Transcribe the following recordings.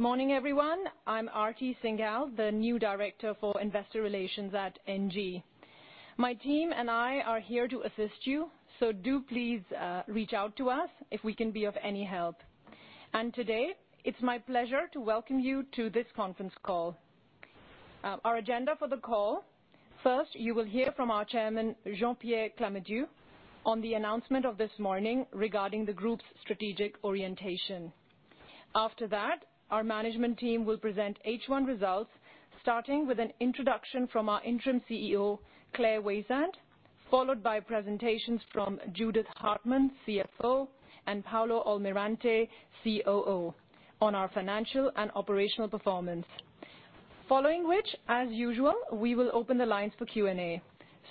Good morning, everyone. I'm Aarti Singhal, the new director for investor relations at ENGIE. My team and I are here to assist you, so do please reach out to us if we can be of any help. And today, it's my pleasure to welcome you to this conference call. Our agenda for the call: first, you will hear from our Chairman, Jean-Pierre Clamadieu, on the announcement of this morning regarding the group's strategic orientation. After that, our management team will present H1 results, starting with an introduction from our Interim CEO, Claire Waysand, followed by presentations from Judith Hartmann, CFO, and Paulo Almirante, COO, on our financial and operational performance. Following which, as usual, we will open the lines for Q&A.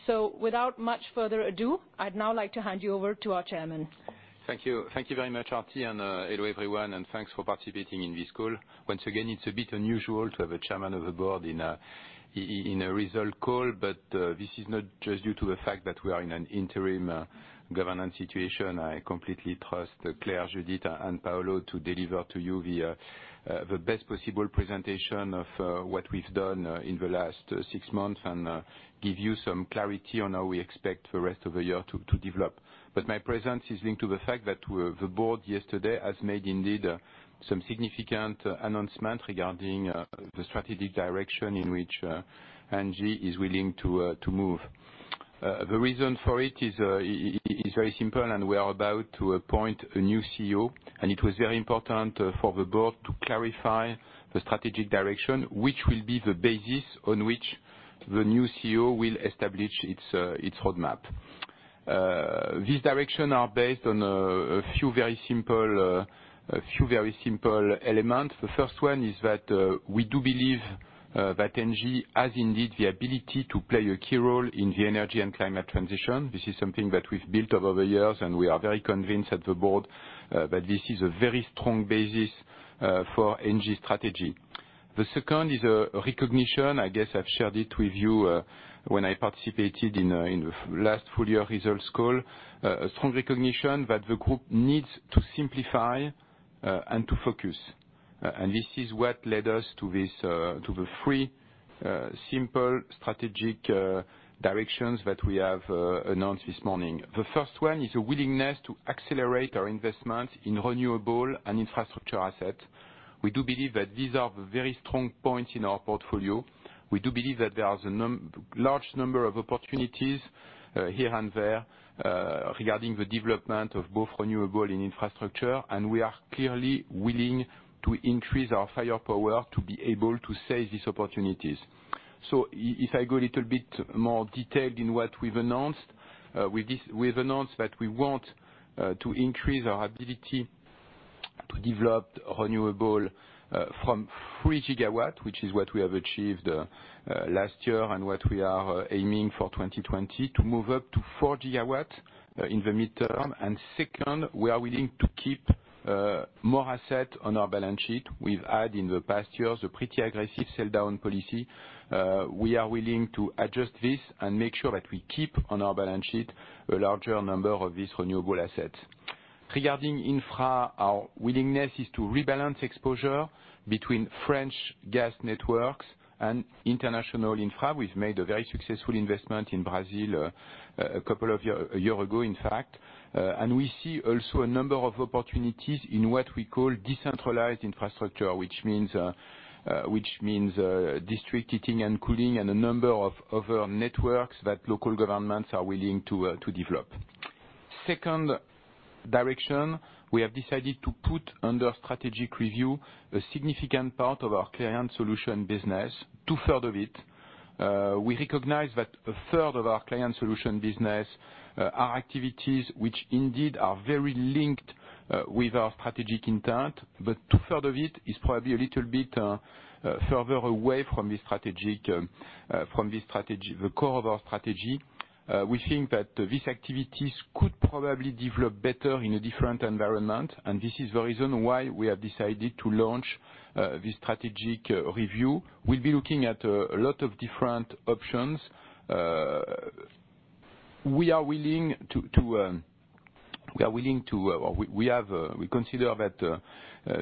So, without much further ado, I'd now like to hand you over to our chairman. Thank you. Thank you very much, Aarti, and hello everyone, and thanks for participating in this call. Once again, it's a bit unusual to have a chairman of the board in a result call, but this is not just due to the fact that we are in an interim governance situation. I completely trust Claire, Judith, and Paulo to deliver to you the best possible presentation of what we've done in the last six months and give you some clarity on how we expect the rest of the year to develop. But my presence is linked to the fact that the board yesterday has made indeed some significant announcements regarding the strategic direction in which ENGIE is willing to move. The reason for it is very simple, and we are about to appoint a new CEO, and it was very important for the board to clarify the strategic direction, which will be the basis on which the new CEO will establish its roadmap. These directions are based on a few very simple elements. The first one is that we do believe that ENGIE has indeed the ability to play a key role in the energy and climate transition. This is something that we've built over the years, and we are very convinced at the board that this is a very strong basis for ENGIE's strategy. The second is a recognition. I guess I've shared it with you when I participated in the last full-year results call, a strong recognition that the group needs to simplify and to focus. This is what led us to the three simple strategic directions that we have announced this morning. The first one is a willingness to accelerate our investment in renewable and infrastructure assets. We do believe that these are very strong points in our portfolio. We do believe that there are a large number of opportunities here and there regarding the development of both renewable and infrastructure, and we are clearly willing to increase our firepower to be able to seize these opportunities. So, if I go a little bit more detailed in what we've announced, we've announced that we want to increase our ability to develop renewable from 3 gigawatts, which is what we have achieved last year and what we are aiming for 2020, to move up to 4 gigawatts in the midterm. Second, we are willing to keep more assets on our balance sheet. We've had in the past years a pretty aggressive sell-down policy. We are willing to adjust this and make sure that we keep on our balance sheet a larger number of these renewable assets. Regarding infra, our willingness is to rebalance exposure between French gas networks and international infra. We've made a very successful investment in Brazil a couple of years ago, in fact. And we see also a number of opportunities in what we call decentralized infrastructure, which means district heating and cooling and a number of other networks that local governments are willing to develop. Second direction, we have decided to put under strategic review a significant part of our Client Solutions business, two-thirds of it. We recognize that a third of our Client Solutions business are activities which indeed are very linked with our strategic intent, but two-thirds of it is probably a little bit further away from the core of our strategy. We think that these activities could probably develop better in a different environment, and this is the reason why we have decided to launch this strategic review. We'll be looking at a lot of different options. We are willing to, we consider that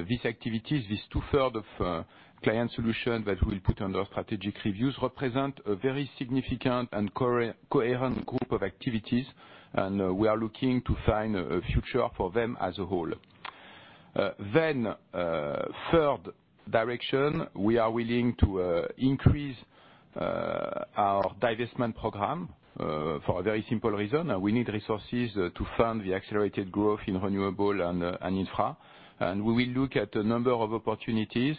these activities, these two-thirds of Client Solutions that we'll put under strategic reviews, represent a very significant and coherent group of activities, and we are looking to find a future for them as a whole. Then, third direction, we are willing to increase our divestment program for a very simple reason. We need resources to fund the accelerated growth in renewable and infra, and we will look at a number of opportunities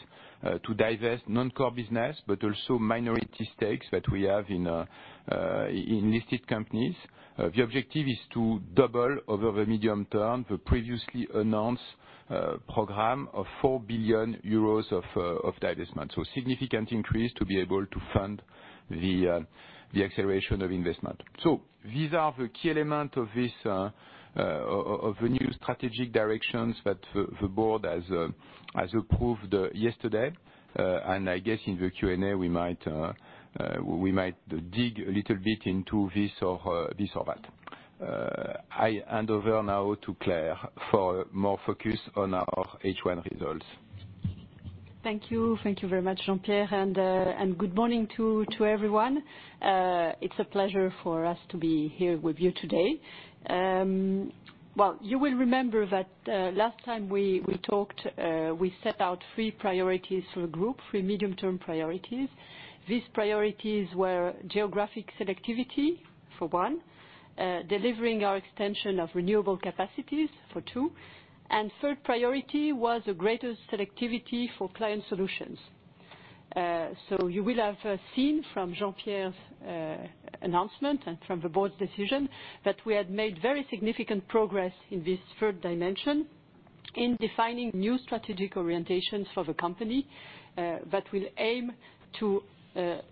to divest non-core business, but also minority stakes that we have in listed companies. The objective is to double over the medium term the previously announced program of four billion EUR of divestment. So, significant increase to be able to fund the acceleration of investment. So, these are the key elements of the new strategic directions that the board has approved yesterday, and I guess in the Q&A we might dig a little bit into this or that. I hand over now to Claire for more focus on our H1 results. Thank you. Thank you very much, Jean-Pierre, and good morning to everyone. It's a pleasure for us to be here with you today. You will remember that last time we talked, we set out three priorities for the group, three medium-term priorities. These priorities were geographic selectivity, for one, delivering our extension of renewable capacities, for two, and third priority was a greater selectivity for Client Solutions. You will have seen from Jean-Pierre's announcement and from the board's decision that we had made very significant progress in this third dimension in defining new strategic orientations for the company that will aim to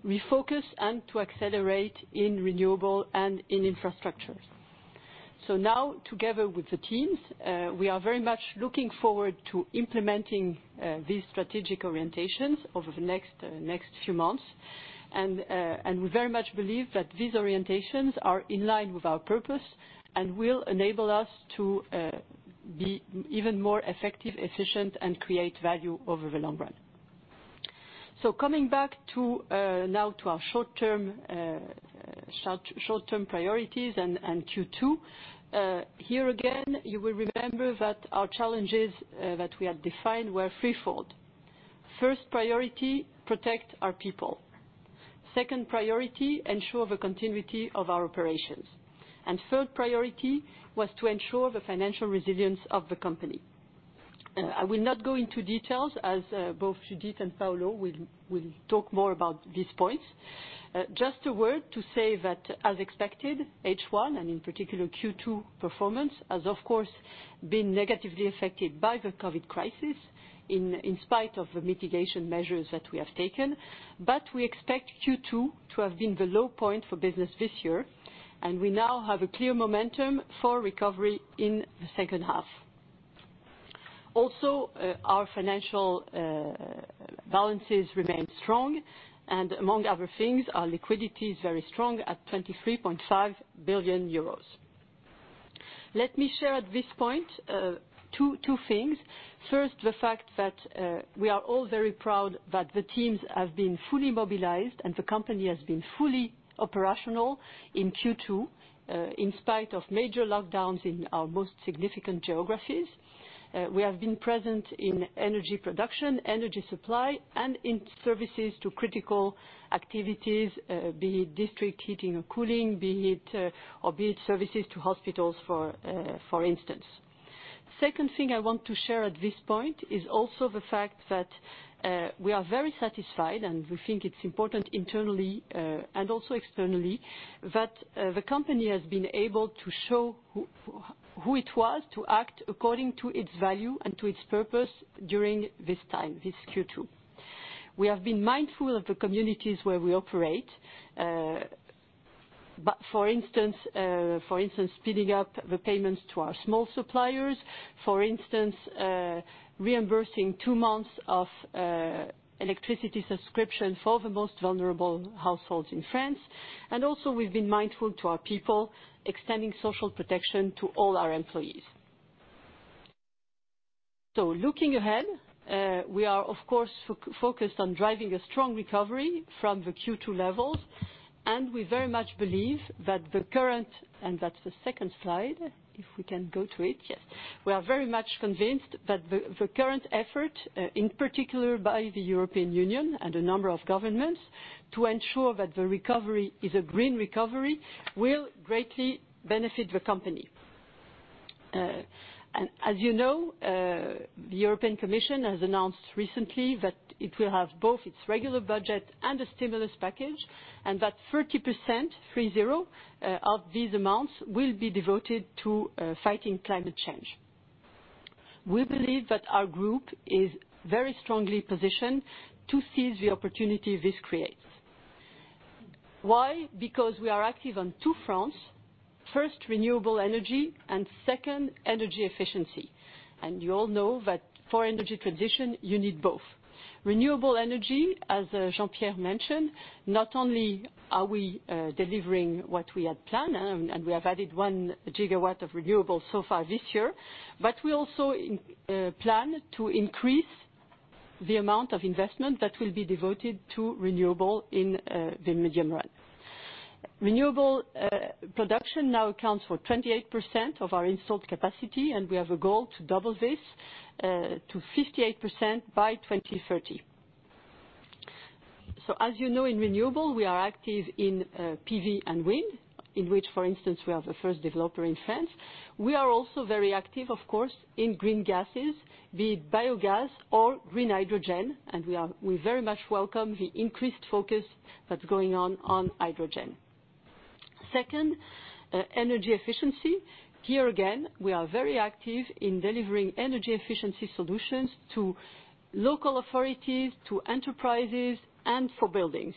refocus and to accelerate in renewable and in infrastructure. So now, together with the teams, we are very much looking forward to implementing these strategic orientations over the next few months, and we very much believe that these orientations are in line with our purpose and will enable us to be even more effective, efficient, and create value over the long run. So, coming back now to our short-term priorities and Q2, here again, you will remember that our challenges that we had defined were threefold. First priority, protect our people. Second priority, ensure the continuity of our operations, and third priority was to ensure the financial resilience of the company. I will not go into details as both Judith and Paulo will talk more about these points. Just a word to say that, as expected, H1, and in particular Q2 performance, has of course been negatively affected by the COVID crisis in spite of the mitigation measures that we have taken, but we expect Q2 to have been the low point for business this year, and we now have a clear momentum for recovery in the second half. Also, our financial balances remain strong, and among other things, our liquidity is very strong at 23.5 billion euros. Let me share at this point two things. First, the fact that we are all very proud that the teams have been fully mobilized and the company has been fully operational in Q2 in spite of major lockdowns in our most significant geographies. We have been present in energy production, energy supply, and in services to critical activities, be it district heating or cooling, be it services to hospitals, for instance. Second thing I want to share at this point is also the fact that we are very satisfied, and we think it's important internally and also externally that the company has been able to show who it was to act according to its value and to its purpose during this time, this Q2. We have been mindful of the communities where we operate, for instance, speeding up the payments to our small suppliers, for instance, reimbursing two months of electricity subscription for the most vulnerable households in France, and also we've been mindful to our people, extending social protection to all our employees. Looking ahead, we are of course focused on driving a strong recovery from the Q2 levels, and we very much believe that the current, and that's the second slide, if we can go to it, yes, we are very much convinced that the current effort, in particular by the European Union and a number of governments, to ensure that the recovery is a green recovery will greatly benefit the company. As you know, the European Commission has announced recently that it will have both its regular budget and a stimulus package, and that 30%, three-zero, of these amounts will be devoted to fighting climate change. We believe that our group is very strongly positioned to seize the opportunity this creates. Why? Because we are active on two fronts: first, renewable energy, and second, energy efficiency. You all know that for energy transition, you need both. Renewable energy, as Jean-Pierre mentioned, not only are we delivering what we had planned, and we have added one gigawatt of renewable so far this year, but we also plan to increase the amount of investment that will be devoted to renewable in the medium run. Renewable production now accounts for 28% of our installed capacity, and we have a goal to double this to 58% by 2030. So, as you know, in renewable, we are active in PV and wind, in which, for instance, we are the first developer in France. We are also very active, of course, in green gases, be it biogas or green hydrogen, and we very much welcome the increased focus that's going on on hydrogen. Second, energy efficiency. Here again, we are very active in delivering energy efficiency solutions to local authorities, to enterprises, and for buildings.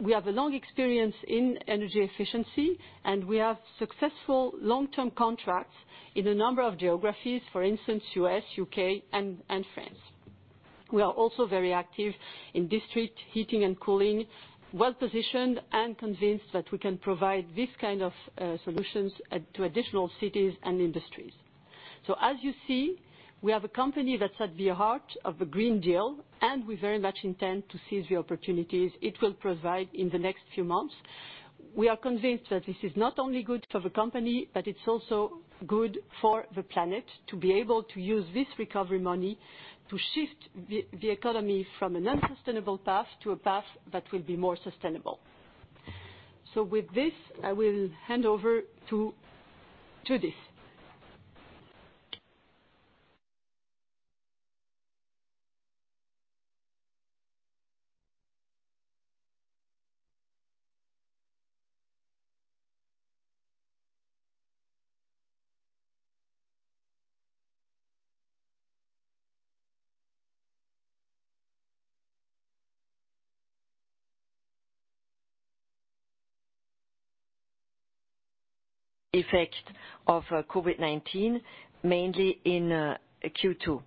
We have a long experience in energy efficiency, and we have successful long-term contracts in a number of geographies, for instance, U.S., U.K., and France. We are also very active in district heating and cooling, well-positioned and convinced that we can provide this kind of solutions to additional cities and industries. So, as you see, we have a company that's at the heart of the Green Deal, and we very much intend to seize the opportunities it will provide in the next few months. We are convinced that this is not only good for the company, but it's also good for the planet to be able to use this recovery money to shift the economy from an unsustainable path to a path that will be more sustainable. So, with this, I will hand over to Judith. Effect of COVID-19 mainly in Q2.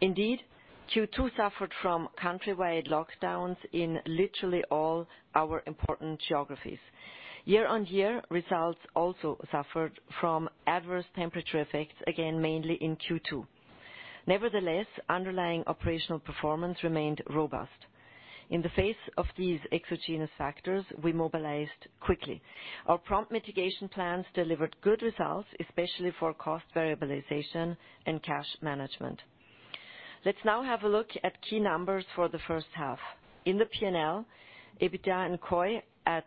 Indeed, Q2 suffered from countrywide lockdowns in literally all our important geographies. Year-on-year, results also suffered from adverse temperature effects, again mainly in Q2. Nevertheless, underlying operational performance remained robust. In the face of these exogenous factors, we mobilized quickly. Our prompt mitigation plans delivered good results, especially for cost variabilization and cash management. Let's now have a look at key numbers for the first half. In the P&L, EBITDA and COI at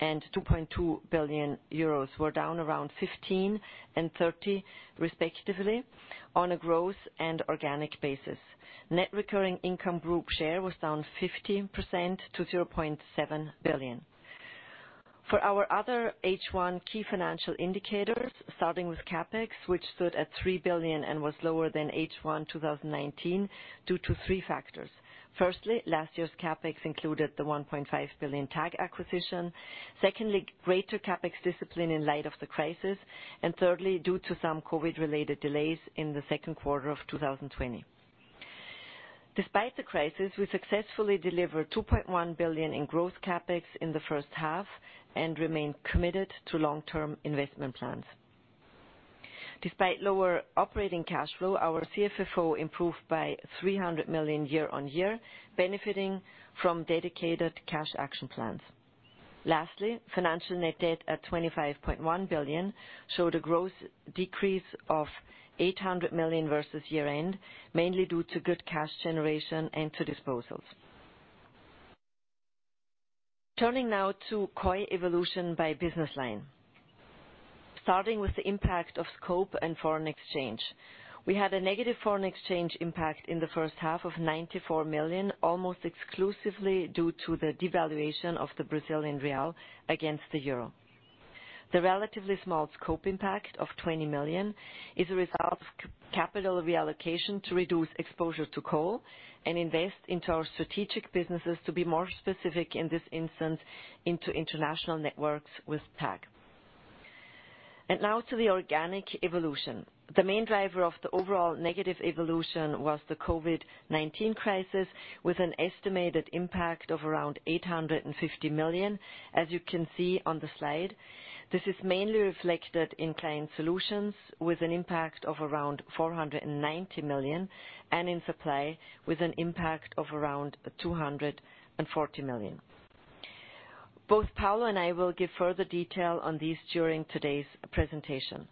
4.5 billion and 2.2 billion euros were down around 15% and 30%, respectively, on a gross and organic basis. Net recurring income group share was down 15% to 0.7 billion. For our other H1 key financial indicators, starting with CAPEX, which stood at 3 billion and was lower than H1 2019 due to three factors. Firstly, last year's CAPEX included the 1.5 billion TAG acquisition. Secondly, greater CAPEX discipline in light of the crisis. And thirdly, due to some COVID-related delays in the second quarter of 2020. Despite the crisis, we successfully delivered 2.1 billion in gross CAPEX in the first half and remained committed to long-term investment plans. Despite lower operating cash flow, our CFFO improved by 300 million year-on-year, benefiting from dedicated cash action plans. Lastly, financial net debt at 25.1 billion showed a gross decrease of 800 million versus year-end, mainly due to good cash generation and to disposals. Turning now to COI evolution by business line. Starting with the impact of scope and foreign exchange. We had a negative foreign exchange impact in the first half of 94 million, almost exclusively due to the devaluation of the Brazilian real against the euro. The relatively small scope impact of 20 million is a result of capital reallocation to reduce exposure to coal and invest into our strategic businesses, to be more specific in this instance, into international networks with TAG. And now to the organic evolution. The main driver of the overall negative evolution was the COVID-19 crisis, with an estimated impact of around 850 million, as you can see on the slide. This is mainly reflected in Client Solutions, with an impact of around 490 million, and in supply, with an impact of around 240 million. Both Paulo and I will give further detail on these during today's presentation.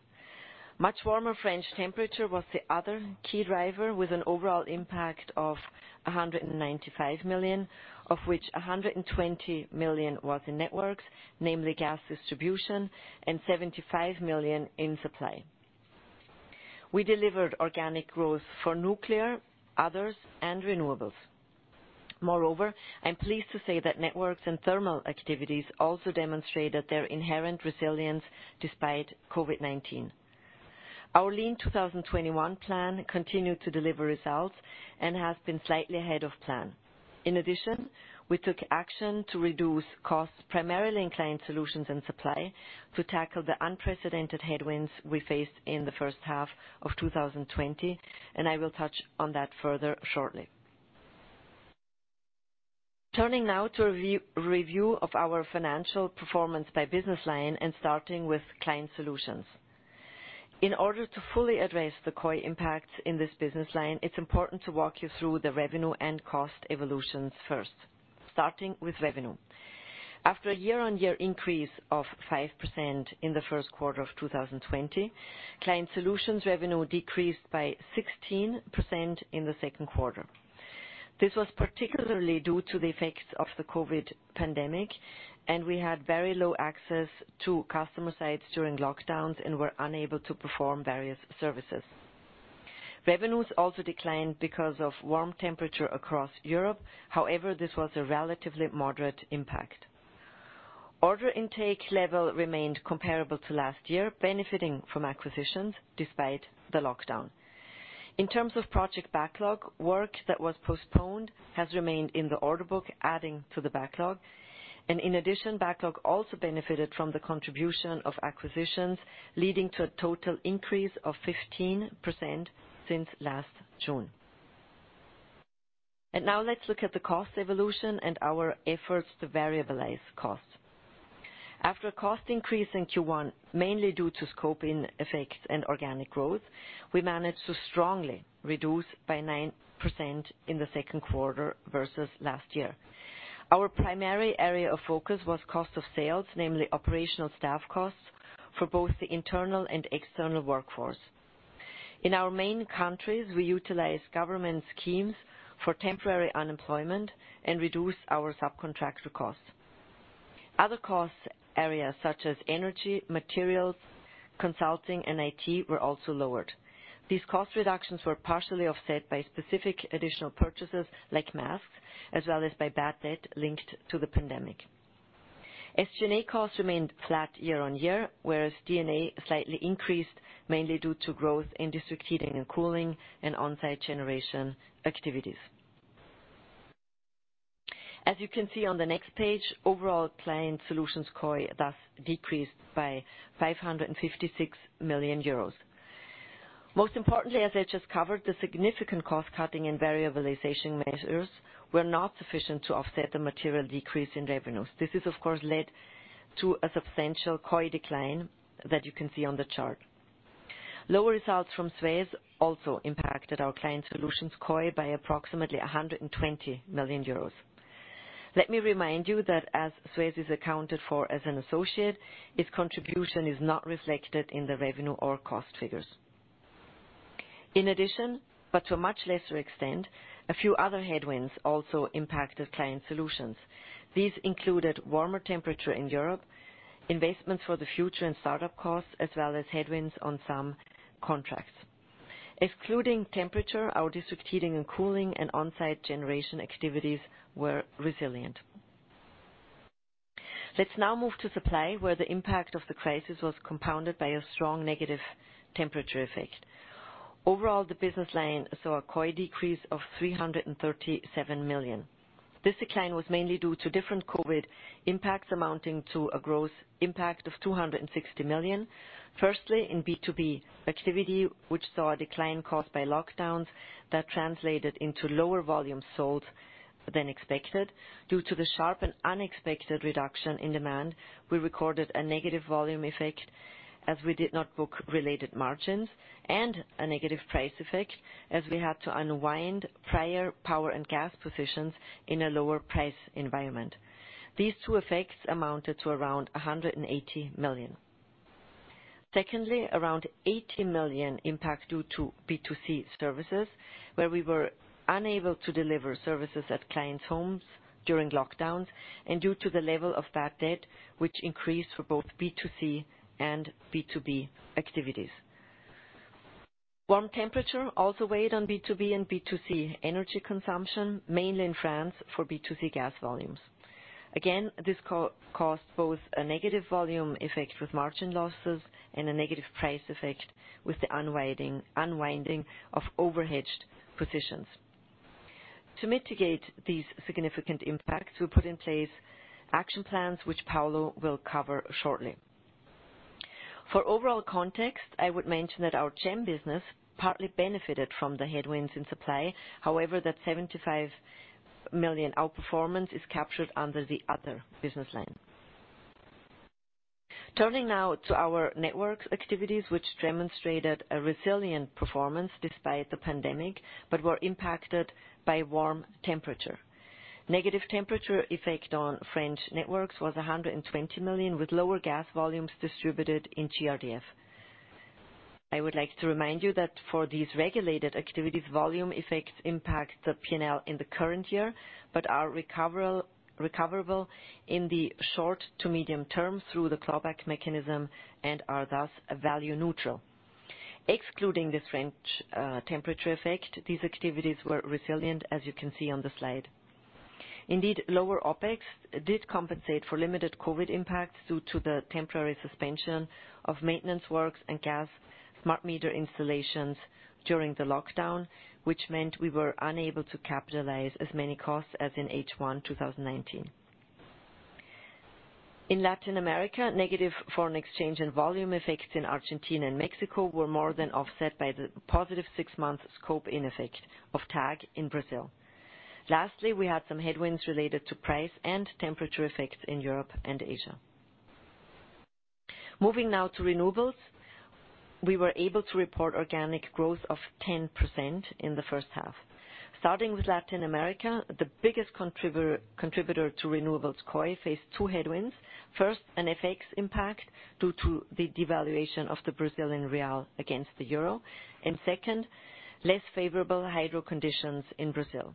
Much warmer French temperature was the other key driver, with an overall impact of 195 million, of which 120 million was in networks, namely gas distribution, and 75 million in supply. We delivered organic growth for nuclear, others, and renewables. Moreover, I'm pleased to say that networks and thermal activities also demonstrate their inherent resilience despite COVID-19. Our Lean 2021 plan continued to deliver results and has been slightly ahead of plan. In addition, we took action to reduce costs, primarily in Client Solutions and Supply, to tackle the unprecedented headwinds we faced in the first half of 2020, and I will touch on that further shortly. Turning now to a review of our financial performance by business line and starting with Client Solutions. In order to fully address the COI impacts in this business line, it's important to walk you through the revenue and cost evolutions first. Starting with revenue. After a year-on-year increase of 5% in the first quarter of 2020, Client Solutions revenue decreased by 16% in the second quarter. This was particularly due to the effects of the COVID pandemic, and we had very low access to customer sites during lockdowns and were unable to perform various services. Revenues also declined because of warm temperature across Europe, however, this was a relatively moderate impact. Order intake level remained comparable to last year, benefiting from acquisitions despite the lockdown. In terms of project backlog, work that was postponed has remained in the order book, adding to the backlog, and in addition, backlog also benefited from the contribution of acquisitions, leading to a total increase of 15% since last June. And now let's look at the cost evolution and our efforts to variabilize costs. After a cost increase in Q1, mainly due to scope effects and organic growth, we managed to strongly reduce by 9% in the second quarter versus last year. Our primary area of focus was cost of sales, namely operational staff costs for both the internal and external workforce. In our main countries, we utilized government schemes for temporary unemployment and reduced our subcontractor costs. Other cost areas, such as energy, materials, consulting, and IT, were also lowered. These cost reductions were partially offset by specific additional purchases like masks, as well as by bad debt linked to the pandemic. SG&A costs remained flat year-on-year, whereas D&A slightly increased, mainly due to growth in district heating and cooling and onsite generation activities. As you can see on the next page, overall Client Solutions COI thus decreased by 556 million euros. Most importantly, as I just covered, the significant cost cutting and variabilization measures were not sufficient to offset the material decrease in revenues. This is, of course, led to a substantial COI decline that you can see on the chart. Lower results from Suez also impacted our Client Solutions COI by approximately 120 million euros. Let me remind you that as Suez is accounted for as an associate, its contribution is not reflected in the revenue or cost figures. In addition, but to a much lesser extent, a few other headwinds also impacted Client Solutions. These included warmer temperature in Europe, investments for the future and startup costs, as well as headwinds on some contracts. Excluding temperature, our district heating and cooling and onsite generation activities were resilient. Let's now move to supply, where the impact of the crisis was compounded by a strong negative temperature effect. Overall, the business line saw a COI decrease of 337 million. This decline was mainly due to different COVID impacts amounting to a gross impact of 260 million. Firstly, in B2B activity, which saw a decline caused by lockdowns that translated into lower volume sold than expected. Due to the sharp and unexpected reduction in demand, we recorded a negative volume effect as we did not book related margins and a negative price effect as we had to unwind prior power and gas positions in a lower price environment. These two effects amounted to around 180 million. Secondly, around 80 million impact due to B2C services, where we were unable to deliver services at clients' homes during lockdowns and due to the level of bad debt, which increased for both B2C and B2B activities. Warm temperature also weighed on B2B and B2C energy consumption, mainly in France for B2C gas volumes. Again, this caused both a negative volume effect with margin losses and a negative price effect with the unwinding of overhedged positions. To mitigate these significant impacts, we put in place action plans, which Paulo will cover shortly. For overall context, I would mention that our GEM business partly benefited from the headwinds in supply. However, that 75 million outperformance is captured under the other business line. Turning now to our networks activities, which demonstrated a resilient performance despite the pandemic, but were impacted by warm temperature. Negative temperature effect on French networks was 120 million, with lower gas volumes distributed in GRDF. I would like to remind you that for these regulated activities, volume effects impact the P&L in the current year, but are recoverable in the short to medium term through the clawback mechanism and are thus value neutral. Excluding this French temperature effect, these activities were resilient, as you can see on the slide. Indeed, lower OpEx did compensate for limited COVID impacts due to the temporary suspension of maintenance works and gas smart meter installations during the lockdown, which meant we were unable to capitalize as many costs as in H1 2019. In Latin America, negative foreign exchange and volume effects in Argentina and Mexico were more than offset by the positive six-month scope effect of TAG in Brazil. Lastly, we had some headwinds related to price and temperature effects in Europe and Asia. Moving now to renewables, we were able to report organic growth of 10% in the first half. Starting with Latin America, the biggest contributor to renewables COI faced two headwinds. First, an FX impact due to the devaluation of the Brazilian real against the euro, and second, less favorable hydro conditions in Brazil.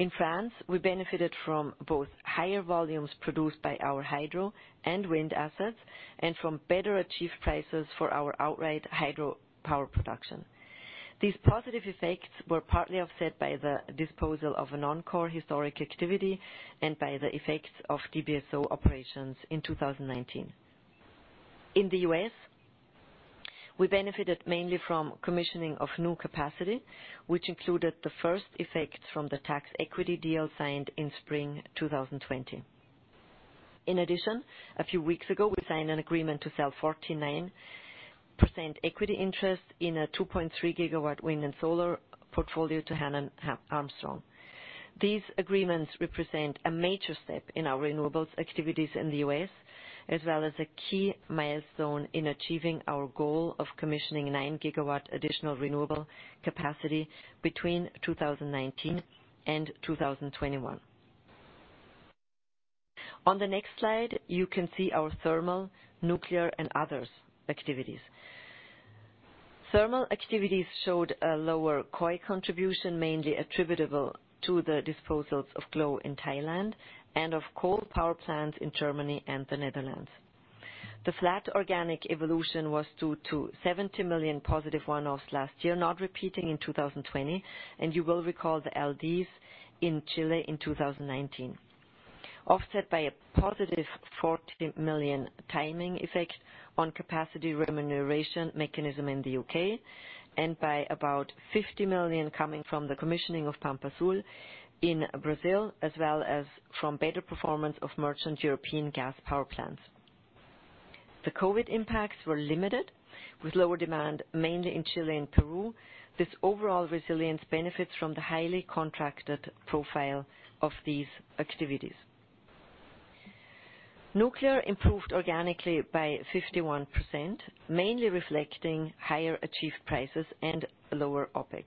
In France, we benefited from both higher volumes produced by our hydro and wind assets and from better achieved prices for our outright hydro power production. These positive effects were partly offset by the disposal of a non-core historic activity and by the effects of DBSO operations in 2019. In the U.S., we benefited mainly from commissioning of new capacity, which included the first effects from the tax equity deal signed in spring 2020. In addition, a few weeks ago, we signed an agreement to sell 49% equity interest in a 2.3 gigawatt wind and solar portfolio to Hannon Armstrong. These agreements represent a major step in our renewables activities in the U.S., as well as a key milestone in achieving our goal of commissioning nine gigawatt additional renewable capacity between 2019 and 2021. On the next slide, you can see our thermal, nuclear, and others activities. Thermal activities showed a lower COI contribution, mainly attributable to the disposals of Glow in Thailand and of coal power plants in Germany and the Netherlands. The flat organic evolution was due to 70 million positive one-offs last year, not repeating in 2020, and you will recall the LDs in Chile in 2019. Offset by a positive 40 million timing effect on capacity remuneration mechanism in the U.K., and by about 50 million coming from the commissioning of Pampa Sul in Brazil, as well as from better performance of merchant European gas power plants. The COVID impacts were limited, with lower demand mainly in Chile and Peru. This overall resilience benefits from the highly contracted profile of these activities. Nuclear improved organically by 51%, mainly reflecting higher achieved prices and lower OpEx.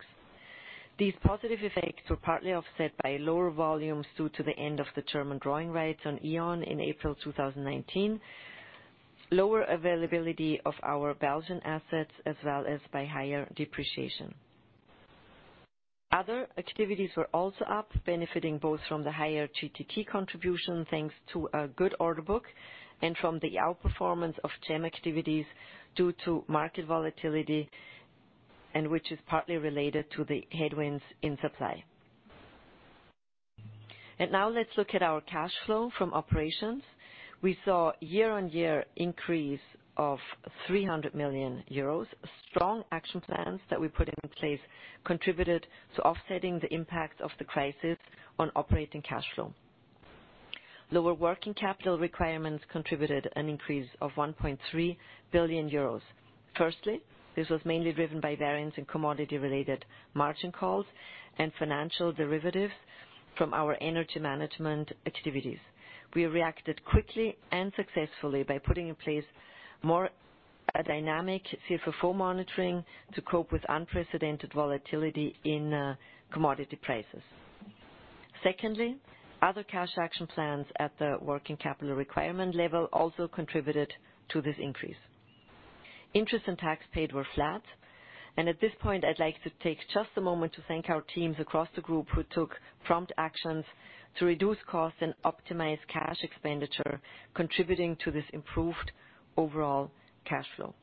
These positive effects were partly offset by lower volumes due to the end of the German drawing rights on E.ON in April 2019, lower availability of our Belgian assets, as well as by higher depreciation. Other activities were also up, benefiting both from the higher GTT contribution thanks to a good order book and from the outperformance of GEM activities due to market volatility, which is partly related to the headwinds in supply. And now let's look at our cash flow from operations. We saw a year-on-year increase of 300 million euros. Strong action plans that we put in place contributed to offsetting the impacts of the crisis on operating cash flow. Lower working capital requirements contributed an increase of 1.3 billion euros. Firstly, this was mainly driven by variance in commodity-related margin calls and financial derivatives from our energy management activities. We reacted quickly and successfully by putting in place more dynamic CFFO monitoring to cope with unprecedented volatility in commodity prices. Secondly, other cash action plans at the working capital requirement level also contributed to this increase. Interest and tax paid were flat, and at this point, I'd like to take just a moment to thank our teams across the group who took prompt actions to reduce costs and optimize cash expenditure, contributing to this improved overall cash flow.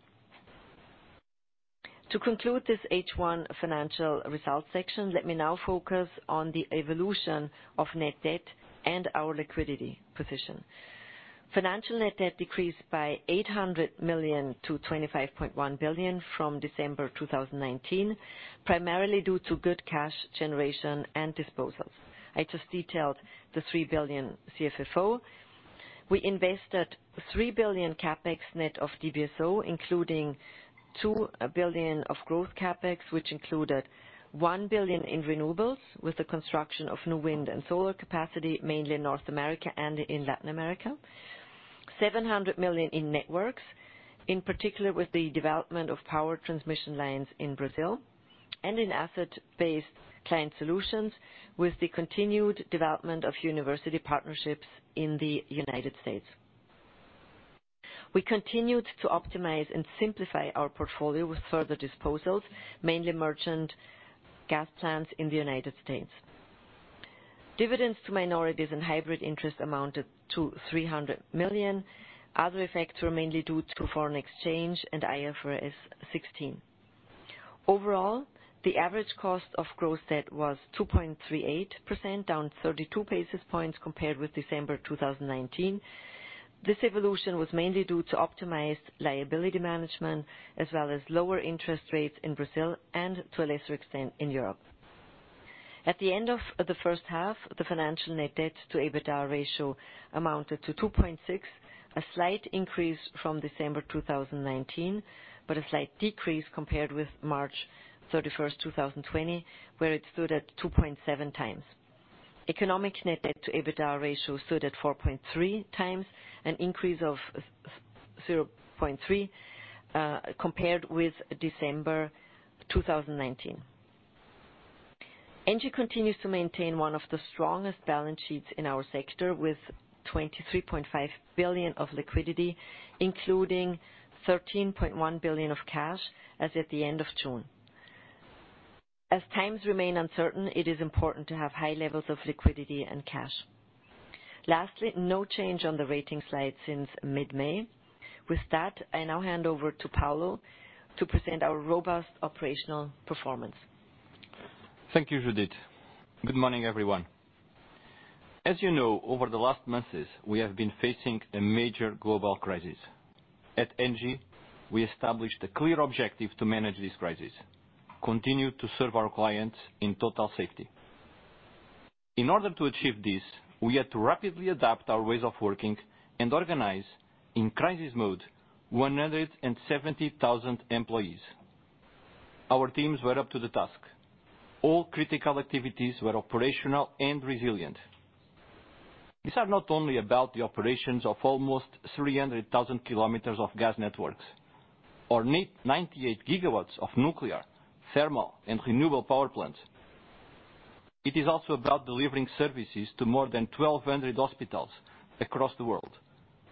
To conclude this H1 financial results section, let me now focus on the evolution of net debt and our liquidity position. Financial net debt decreased by 800 million to 25.1 billion from December 2019, primarily due to good cash generation and disposals. I just detailed the 3 billion CFFO. We invested 3 billion CAPEX net of DBSO, including 2 billion of gross CAPEX, which included 1 billion in renewables with the construction of new wind and solar capacity, mainly in North America and in Latin America. 700 million in networks, in particular with the development of power transmission lines in Brazil and in asset-based Client Solutions with the continued development of university partnerships in the United States. We continued to optimize and simplify our portfolio with further disposals, mainly merchant gas plants in the United States. Dividends to minorities and hybrid interest amounted to 300 million. Other effects were mainly due to foreign exchange and IFRS 16. Overall, the average cost of gross debt was 2.38%, down 32 basis points compared with December 2019. This evolution was mainly due to optimized liability management, as well as lower interest rates in Brazil and to a lesser extent in Europe.At the end of the first half, the financial net debt to EBITDA ratio amounted to 2.6, a slight increase from December 2019, but a slight decrease compared with March 31st, 2020, where it stood at 2.7 times. Economic net debt to EBITDA ratio stood at 4.3 times, an increase of 0.3 compared with December 2019. ENGIE continues to maintain one of the strongest balance sheets in our sector with 23.5 billion of liquidity, including 13.1 billion of cash as at the end of June. As times remain uncertain, it is important to have high levels of liquidity and cash. Lastly, no change on the rating slide since mid-May. With that, I now hand over to Paulo to present our robust operational performance. Thank you, Judith. Good morning, everyone. As you know, over the last months, we have been facing a major global crisis. At ENGIE, we established a clear objective to manage this crisis: continue to serve our clients in total safety. In order to achieve this, we had to rapidly adapt our ways of working and organize in crisis mode 170,000 employees. Our teams were up to the task. All critical activities were operational and resilient. These are not only about the operations of almost 300,000 km of gas networks or 98 GW of nuclear, thermal, and renewable power plants. It is also about delivering services to more than 1,200 hospitals across the world,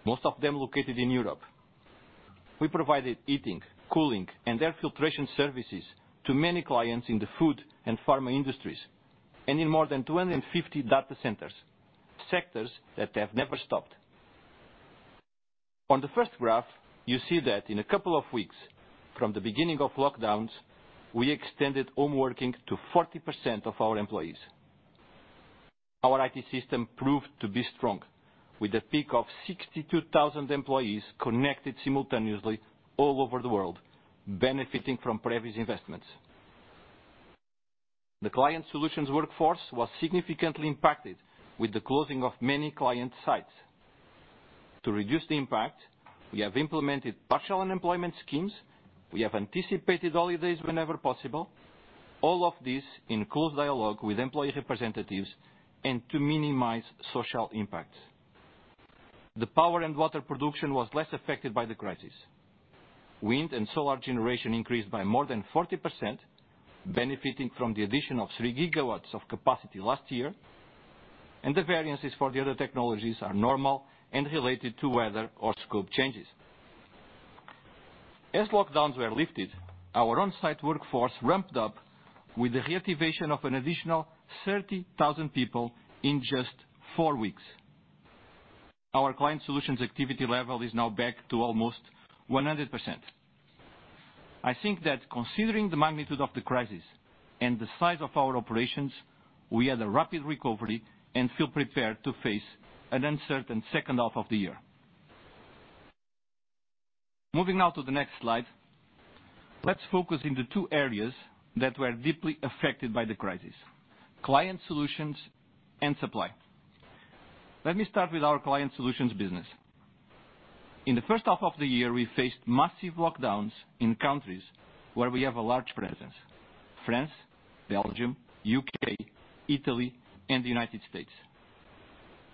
most of them located in Europe. We provided heating, cooling, and air filtration services to many clients in the food and pharma industries and in more than 250 data centers, sectors that have never stopped. On the first graph, you see that in a couple of weeks from the beginning of lockdowns, we extended home working to 40% of our employees. Our IT system proved to be strong, with a peak of 62,000 employees connected simultaneously all over the world, benefiting from previous investments. The Client Solutions workforce was significantly impacted with the closing of many client sites. To reduce the impact, we have implemented partial unemployment schemes. We have anticipated holidays whenever possible, all of this in close dialogue with employee representatives and to minimize social impacts. The power and water production was less affected by the crisis. Wind and solar generation increased by more than 40%, benefiting from the addition of 3 gigawatts of capacity last year, and the variances for the other technologies are normal and related to weather or scope changes. As lockdowns were lifted, our on-site workforce ramped up with the reactivation of an additional 30,000 people in just four weeks. Our Client Solutions activity level is now back to almost 100%. I think that considering the magnitude of the crisis and the size of our operations, we had a rapid recovery and feel prepared to face an uncertain second half of the year. Moving now to the next slide, let's focus on the two areas that were deeply affected by the crisis: Client Solutions and Supply. Let me start with our Client Solutions business. In the first half of the year, we faced massive lockdowns in countries where we have a large presence: France, Belgium, the U.K., Italy, and the United States.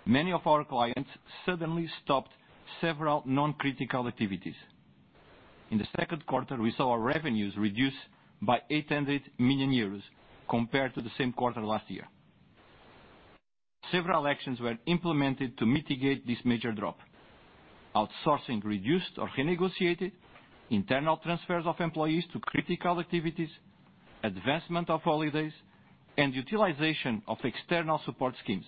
Many of our clients suddenly stopped several non-critical activities. In the second quarter, we saw our revenues reduce by 800 million euros compared to the same quarter last year. Several actions were implemented to mitigate this major drop: outsourcing reduced or renegotiated, internal transfers of employees to critical activities, advancement of holidays, and utilization of external support schemes.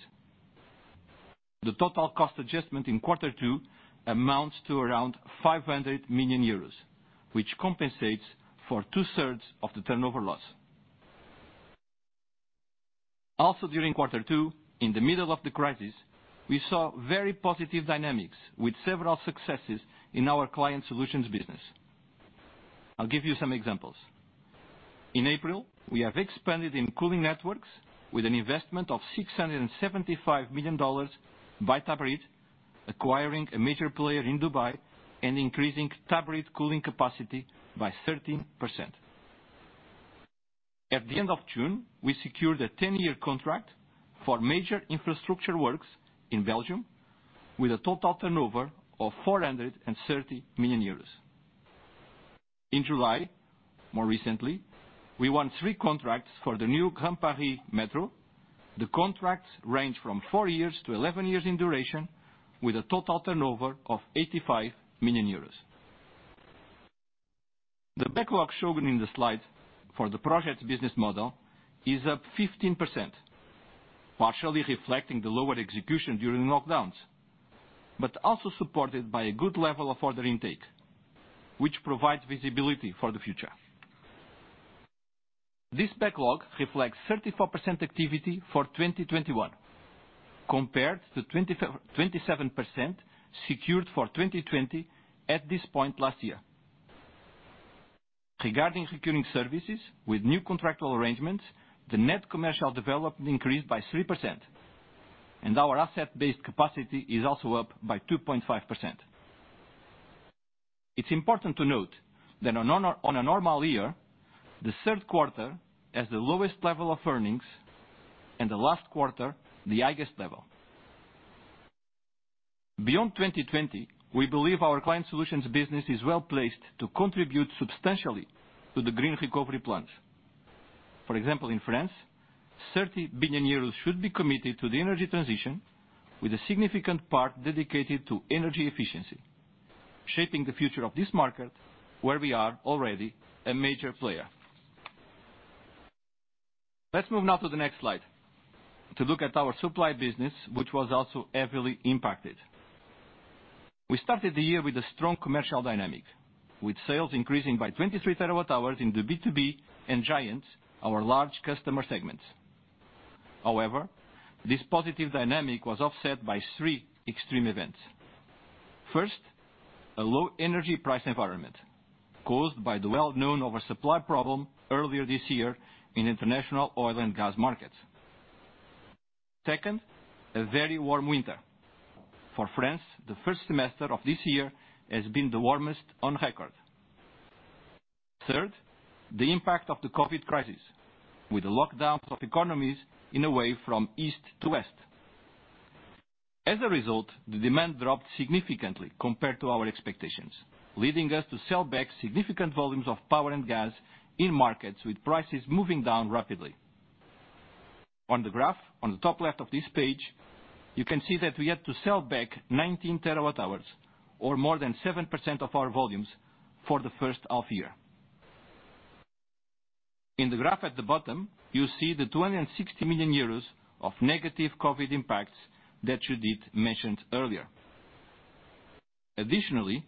The total cost adjustment in quarter two amounts to around 500 million euros, which compensates for two-thirds of the turnover loss. Also, during quarter two, in the middle of the crisis, we saw very positive dynamics with several successes in our Client Solutions business. I'll give you some examples. In April, we have expanded in cooling networks with an investment of $675 million by Tabreed, acquiring a major player in Dubai and increasing Tabreed cooling capacity by 13%. At the end of June, we secured a 10-year contract for major infrastructure works in Belgium with a total turnover of 430 million euros. In July, more recently, we won three contracts for the new Grand Paris Metro. The contracts range from four years to 11 years in duration, with a total turnover of 85 million euros. The backlog shown in the slide for the project business model is up 15%, partially reflecting the lower execution during lockdowns, but also supported by a good level of order intake, which provides visibility for the future. This backlog reflects 34% activity for 2021, compared to 27% secured for 2020 at this point last year. Regarding securing services with new contractual arrangements, the net commercial development increased by 3%, and our asset-based capacity is also up by 2.5%. It's important to note that on a normal year, the third quarter has the lowest level of earnings and the last quarter the highest level. Beyond 2020, we believe our Client Solutions business is well placed to contribute substantially to the green recovery plans. For example, in France, 30 billion euros should be committed to the energy transition, with a significant part dedicated to energy efficiency, shaping the future of this market where we are already a major player. Let's move now to the next slide to look at our supply business, which was also heavily impacted. We started the year with a strong commercial dynamic, with sales increasing by 23 terawatt-hours in the B2B and giants, our large customer segments. However, this positive dynamic was offset by three extreme events. First, a low energy price environment caused by the well-known oversupply problem earlier this year in international oil and gas markets. Second, a very warm winter. For France, the first semester of this year has been the warmest on record. Third, the impact of the COVID crisis, with the lockdowns of economies in a way from east to west. As a result, the demand dropped significantly compared to our expectations, leading us to sell back significant volumes of power and gas in markets with prices moving down rapidly. On the graph, on the top left of this page, you can see that we had to sell back 19 terawatt-hours, or more than 7% of our volumes, for the first half year. In the graph at the bottom, you see the 260 million euros of negative COVID impacts that Judith mentioned earlier. Additionally,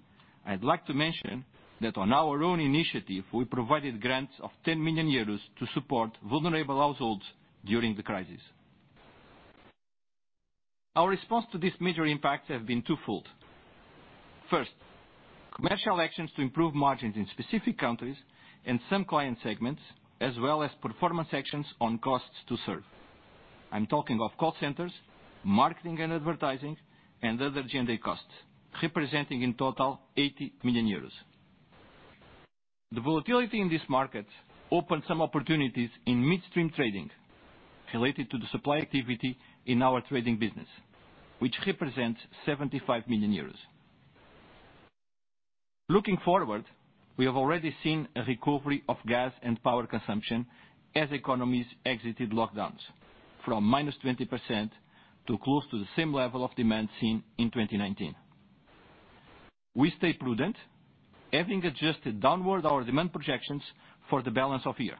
I'd like to mention that on our own initiative, we provided grants of 10 million euros to support vulnerable households during the crisis. Our response to these major impacts has been twofold. First, commercial actions to improve margins in specific countries and some client segments, as well as performance actions on costs to serve. I'm talking of call centers, marketing and advertising, and other G&A costs, representing in total 80 million euros. The volatility in this market opened some opportunities in midstream trading related to the supply activity in our trading business, which represents 75 million euros. Looking forward, we have already seen a recovery of gas and power consumption as economies exited lockdowns, from minus 20% to close to the same level of demand seen in 2019. We stayed prudent, having adjusted downward our demand projections for the balance of the year.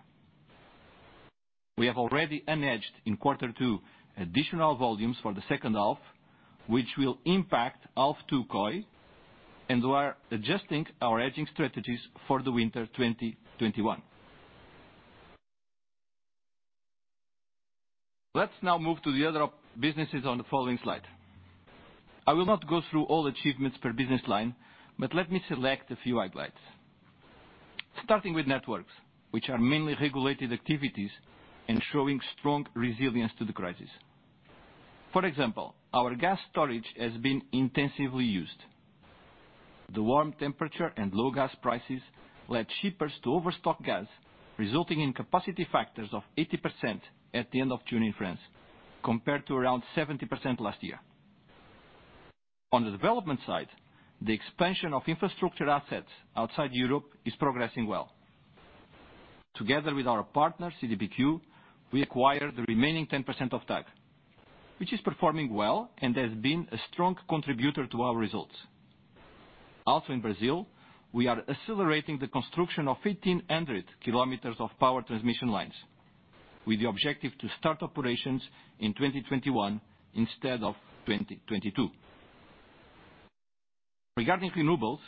We have already unhedged in quarter two additional volumes for the second half, which will impact half two COI, and we are adjusting our hedging strategies for the winter 2021. Let's now move to the other businesses on the following slide. I will not go through all achievements per business line, but let me select a few highlights. Starting with networks, which are mainly regulated activities and showing strong resilience to the crisis. For example, our gas storage has been intensively used. The warm temperature and low gas prices led shippers to overstock gas, resulting in capacity factors of 80% at the end of June in France, compared to around 70% last year. On the development side, the expansion of infrastructure assets outside Europe is progressing well. Together with our partner, CDPQ, we acquired the remaining 10% of TAG, which is performing well and has been a strong contributor to our results. Also, in Brazil, we are accelerating the construction of 1,800 kilometers of power transmission lines, with the objective to start operations in 2021 instead of 2022. Regarding renewables,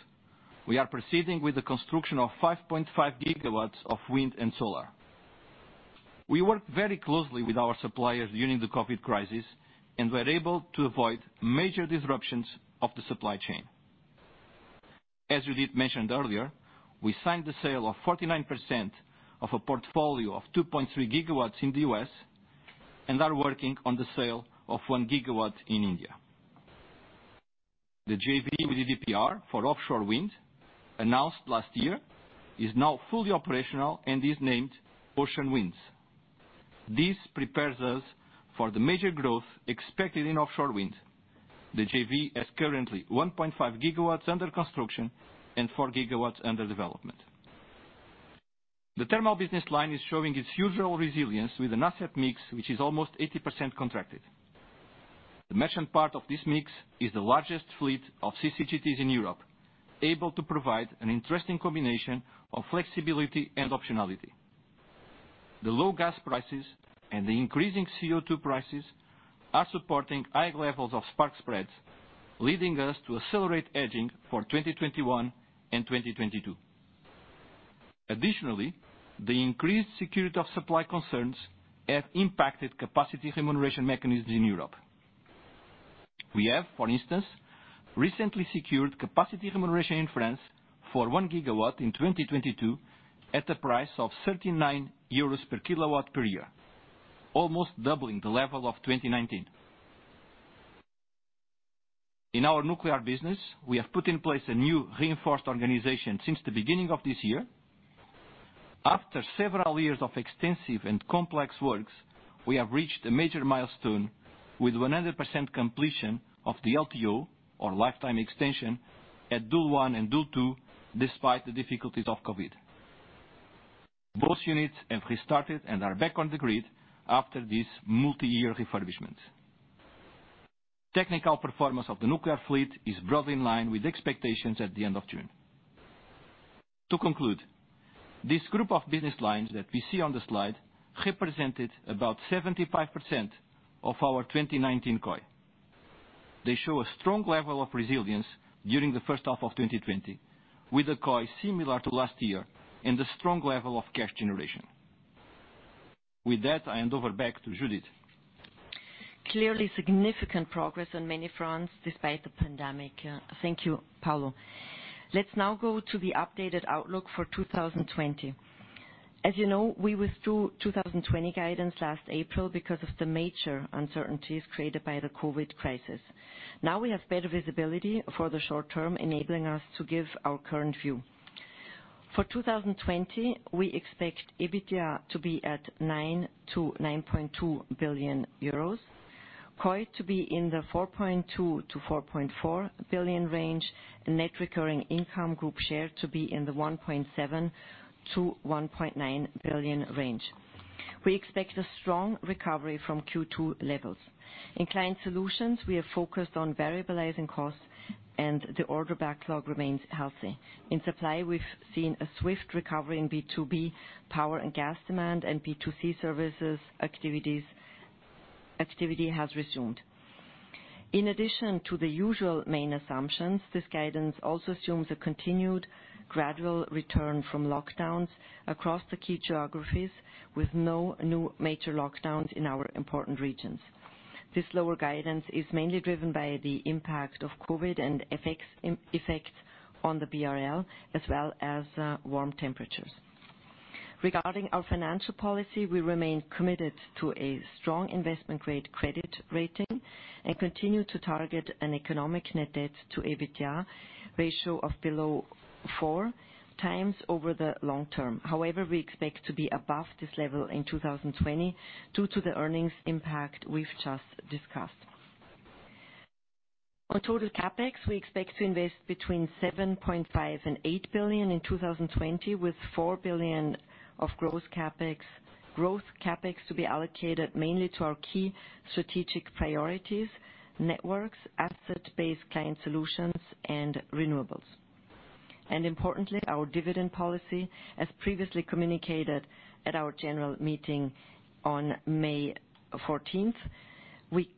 we are proceeding with the construction of 5.5 gigawatts of wind and solar. We worked very closely with our suppliers during the COVID crisis and were able to avoid major disruptions of the supply chain. As Judith mentioned earlier, we signed the sale of 49% of a portfolio of 2.3 gigawatts in the US and are working on the sale of one gigawatt in India. The JV with EDPR for offshore wind announced last year is now fully operational and is named Ocean Winds. This prepares us for the major growth expected in offshore wind. The JV has currently 1.5 gigawatts under construction and 4 gigawatts under development. The thermal business line is showing its usual resilience with an asset mix which is almost 80% contracted. The merchant part of this mix is the largest fleet of CCGTs in Europe, able to provide an interesting combination of flexibility and optionality. The low gas prices and the increasing CO2 prices are supporting high levels of spark spreads, leading us to accelerate hedging for 2021 and 2022. Additionally, the increased security of supply concerns have impacted capacity remuneration mechanisms in Europe. We have, for instance, recently secured capacity remuneration in France for 1 gigawatt in 2022 at a price of 39 euros per kilowatt per year, almost doubling the level of 2019. In our nuclear business, we have put in place a new reinforced organization since the beginning of this year. After several years of extensive and complex works, we have reached a major milestone with 100% completion of the LTO, or lifetime extension, at Doel 1 and Doel 2, despite the difficulties of COVID. Both units have restarted and are back on the grid after this multi-year refurbishment. Technical performance of the nuclear fleet is broadly in line with expectations at the end of June. To conclude, this group of business lines that we see on the slide represented about 75% of our 2019 COI. They show a strong level of resilience during the first half of 2020, with a COI similar to last year and a strong level of cash generation. With that, I hand over back to Judith. Clearly significant progress in many fronts despite the pandemic. Thank you, Paulo. Let's now go to the updated outlook for 2020. As you know, we withdrew 2020 guidance last April because of the major uncertainties created by the COVID crisis. Now we have better visibility for the short term, enabling us to give our current view. For 2020, we expect EBITDA to be at 9-9.2 billion euros, COI to be in the 4.2-4.4 billion range, and net recurring income group share to be in the 1.7-1.9 billion range. We expect a strong recovery from Q2 levels. In Client Solutions, we have focused on variabilizing costs, and the order backlog remains healthy. In supply, we've seen a swift recovery in B2B power and gas demand, and P2C services activity has resumed. In addition to the usual main assumptions, this guidance also assumes a continued gradual return from lockdowns across the key geographies, with no new major lockdowns in our important regions. This lower guidance is mainly driven by the impact of COVID and effects on the BRL, as well as warm temperatures. Regarding our financial policy, we remain committed to a strong investment-grade credit rating and continue to target an economic net debt to EBITDA ratio of below 4 times over the long term. However, we expect to be above this level in 2020 due to the earnings impact we've just discussed. On total CapEx, we expect to invest between 7.5 billion and 8 billion in 2020, with 4 billion of gross CapEx to be allocated mainly to our key strategic priorities, networks, asset-based Client Solutions, and renewables. Importantly, our dividend policy, as previously communicated at our general meeting on May 14, we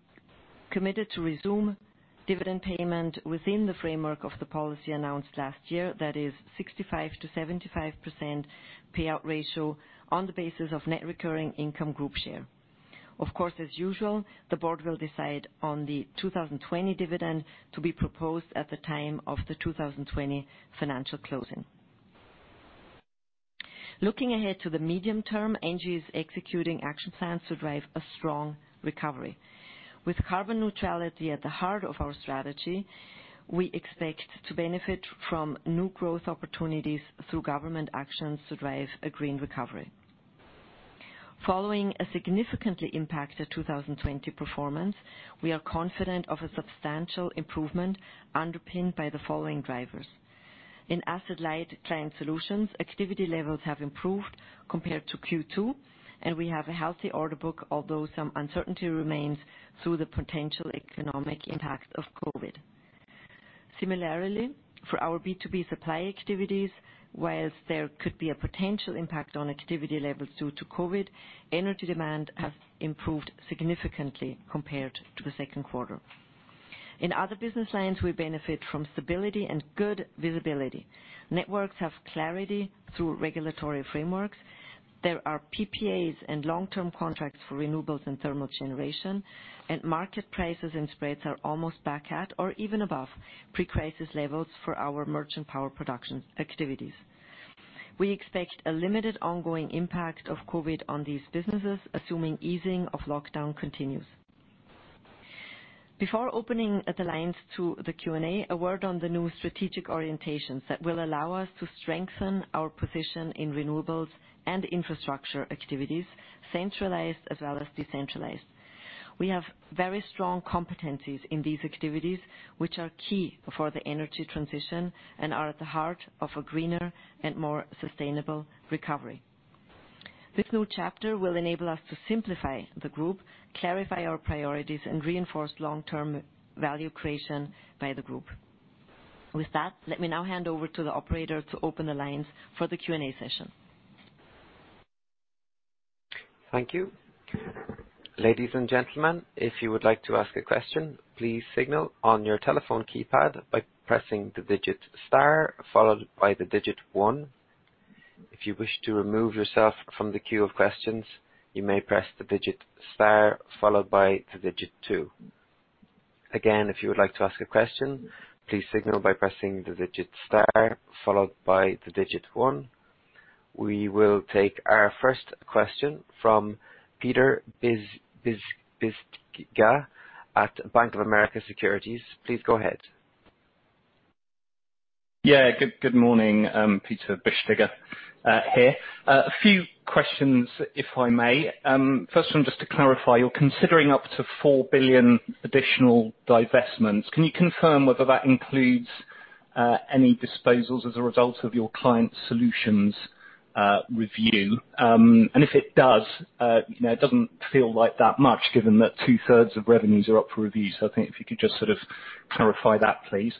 committed to resume dividend payment within the framework of the policy announced last year, that is, 65%-75% payout ratio on the basis of net recurring income group share. Of course, as usual, the board will decide on the 2020 dividend to be proposed at the time of the 2020 financial closing. Looking ahead to the medium term, ENGIE is executing action plans to drive a strong recovery. With carbon neutrality at the heart of our strategy, we expect to benefit from new growth opportunities through government actions to drive a green recovery. Following a significantly impacted 2020 performance, we are confident of a substantial improvement underpinned by the following drivers. In asset-light Client Solutions, activity levels have improved compared to Q2, and we have a healthy order book, although some uncertainty remains through the potential economic impact of COVID. Similarly, for our B2B supply activities, while there could be a potential impact on activity levels due to COVID, energy demand has improved significantly compared to the second quarter. In other business lines, we benefit from stability and good visibility. Networks have clarity through regulatory frameworks. There are PPAs and long-term contracts for renewables and thermal generation, and market prices and spreads are almost back at or even above pre-crisis levels for our merchant power production activities. We expect a limited ongoing impact of COVID on these businesses, assuming easing of lockdown continues. Before opening the lines to the Q&A, a word on the new strategic orientations that will allow us to strengthen our position in renewables and infrastructure activities, centralized as well as decentralized. We have very strong competencies in these activities, which are key for the energy transition and are at the heart of a greener and more sustainable recovery. This new chapter will enable us to simplify the group, clarify our priorities, and reinforce long-term value creation by the group. With that, let me now hand over to the operator to open the lines for the Q&A session. Thank you. Ladies and gentlemen, if you would like to ask a question, please signal on your telephone keypad by pressing the digit star followed by the digit one. If you wish to remove yourself from the queue of questions, you may press the digit star followed by the digit two. Again, if you would like to ask a question, please signal by pressing the digit star followed by the digit one. We will take our first question from Peter Bisztyga at Bank of America Securities. Please go ahead. Yeah, good morning, Peter Bisztyga here. A few questions, if I may. First one, just to clarify, you're considering up to 4 billion additional divestments. Can you confirm whether that includes any disposals as a result of your Client Solutions review? And if it does, it doesn't feel like that much given that two-thirds of revenues are up for review. So I think if you could just sort of clarify that, please.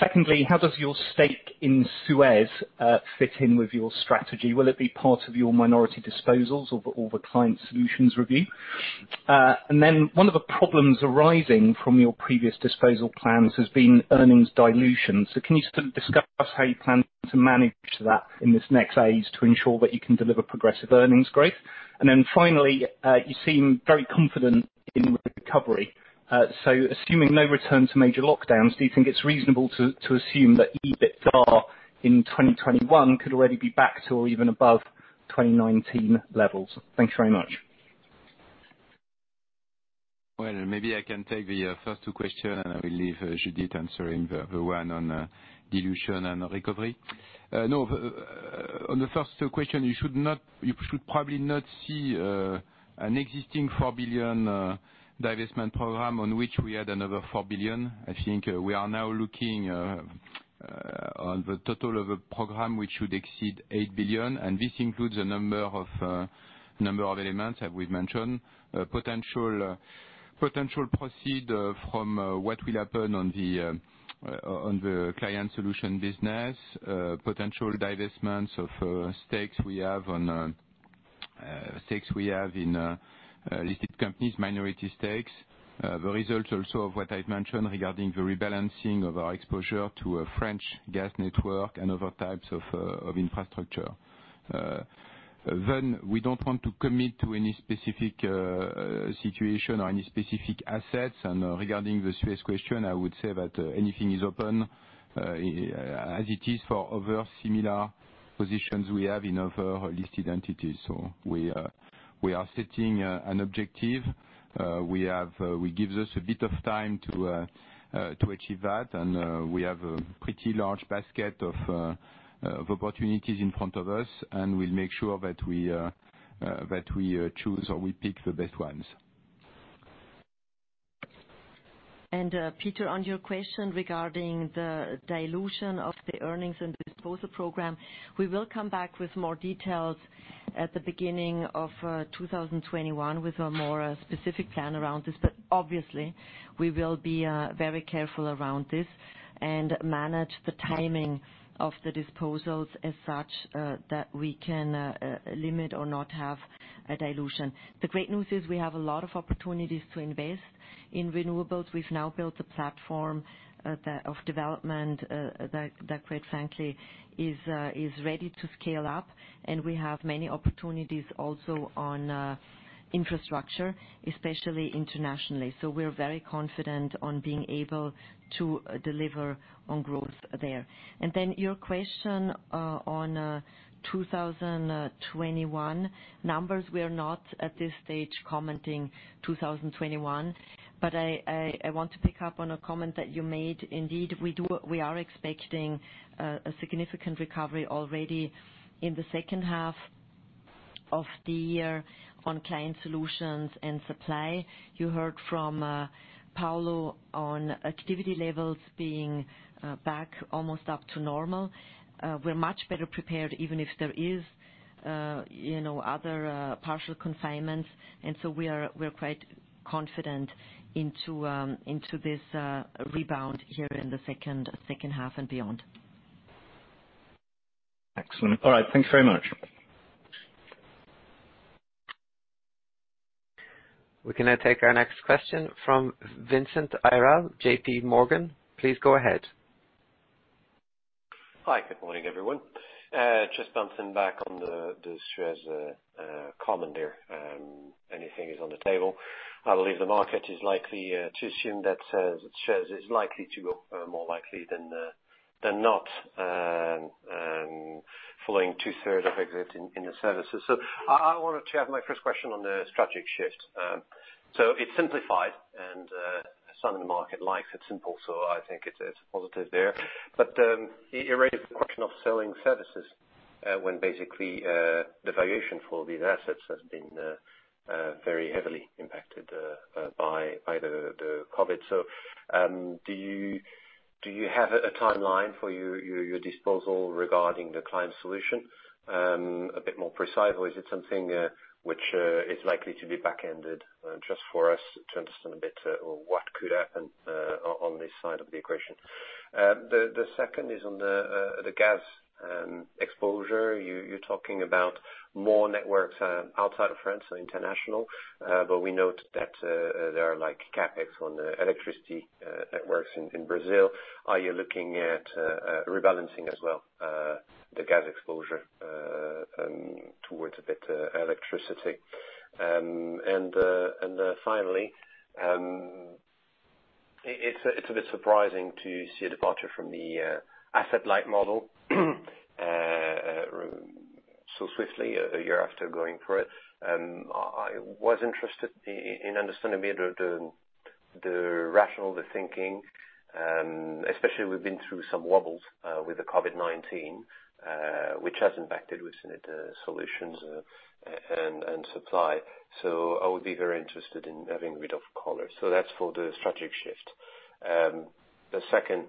Secondly, how does your stake in Suez fit in with your strategy? Will it be part of your minority disposals or the Client Solutions review? One of the problems arising from your previous disposal plans has been earnings dilution. Can you sort of discuss how you plan to manage that in this next phase to ensure that you can deliver progressive earnings growth? Finally, you seem very confident in recovery. Assuming no return to major lockdowns, do you think it's reasonable to assume that EBITDA in 2021 could already be back to or even above 2019 levels? Thanks very much. Maybe I can take the first two questions, and I will leave Judith answering the one on dilution and recovery. No, on the first question, you should probably not see an existing four billion divestment program on which we had another four billion. I think we are now looking on the total of a program which should exceed eight billion. And this includes a number of elements that we've mentioned: potential proceeds from what will happen on the Client Solutions business, potential divestments of stakes we have in listed companies, minority stakes, the results also of what I've mentioned regarding the rebalancing of our exposure to a French gas network and other types of infrastructure. Then, we don't want to commit to any specific situation or any specific assets. And regarding the Suez question, I would say that anything is open as it is for other similar positions we have in other listed entities. So we are setting an objective. We give us a bit of time to achieve that, and we have a pretty large basket of opportunities in front of us, and we'll make sure that we choose or we pick the best ones. And Peter, on your question regarding the dilution of the earnings and disposal program, we will come back with more details at the beginning of 2021 with a more specific plan around this. But obviously, we will be very careful around this and manage the timing of the disposals as such that we can limit or not have a dilution. The great news is we have a lot of opportunities to invest in renewables. We've now built a platform of development that, quite frankly, is ready to scale up, and we have many opportunities also on infrastructure, especially internationally. So we're very confident on being able to deliver on growth there. And then your question on 2021 numbers, we are not at this stage commenting 2021, but I want to pick up on a comment that you made. Indeed, we are expecting a significant recovery already in the second half of the year on Client Solutions and Supply. You heard from Paulo on activity levels being back almost up to normal. We're much better prepared even if there are other partial confinements, and so we're quite confident into this rebound here in the second half and beyond. Excellent. All right. Thanks very much. We can now take our next question from Vincent Ayral, J.P. Morgan. Please go ahead. Hi, good morning, everyone. Just bouncing back on the Suez comment there. Anything is on the table. I believe the market is likely to assume that Suez is likely to go more likely than not following two-thirds of exit in the services, so I wanted to have my first question on the strategic shift. It's simplified, and some in the market like it simple, so I think it's a positive there. But you raised the question of selling services when basically the valuation for these assets has been very heavily impacted by the COVID. So do you have a timeline for your disposal regarding the Client Solutions a bit more precise, or is it something which is likely to be back-ended just for us to understand a bit what could happen on this side of the equation? The second is on the gas exposure. You're talking about more networks outside of France, so international, but we note that there are CAPEX on the electricity networks in Brazil. Are you looking at rebalancing as well the gas exposure towards a bit of electricity? And finally, it's a bit surprising to see a departure from the asset-light model so swiftly a year after going for it. I was interested in understanding a bit of the rationale, the thinking, especially we've been through some wobbles with the COVID-19, which has impacted within the Solutions and Supply. So I would be very interested in having a bit of color. So that's for the strategic shift. The second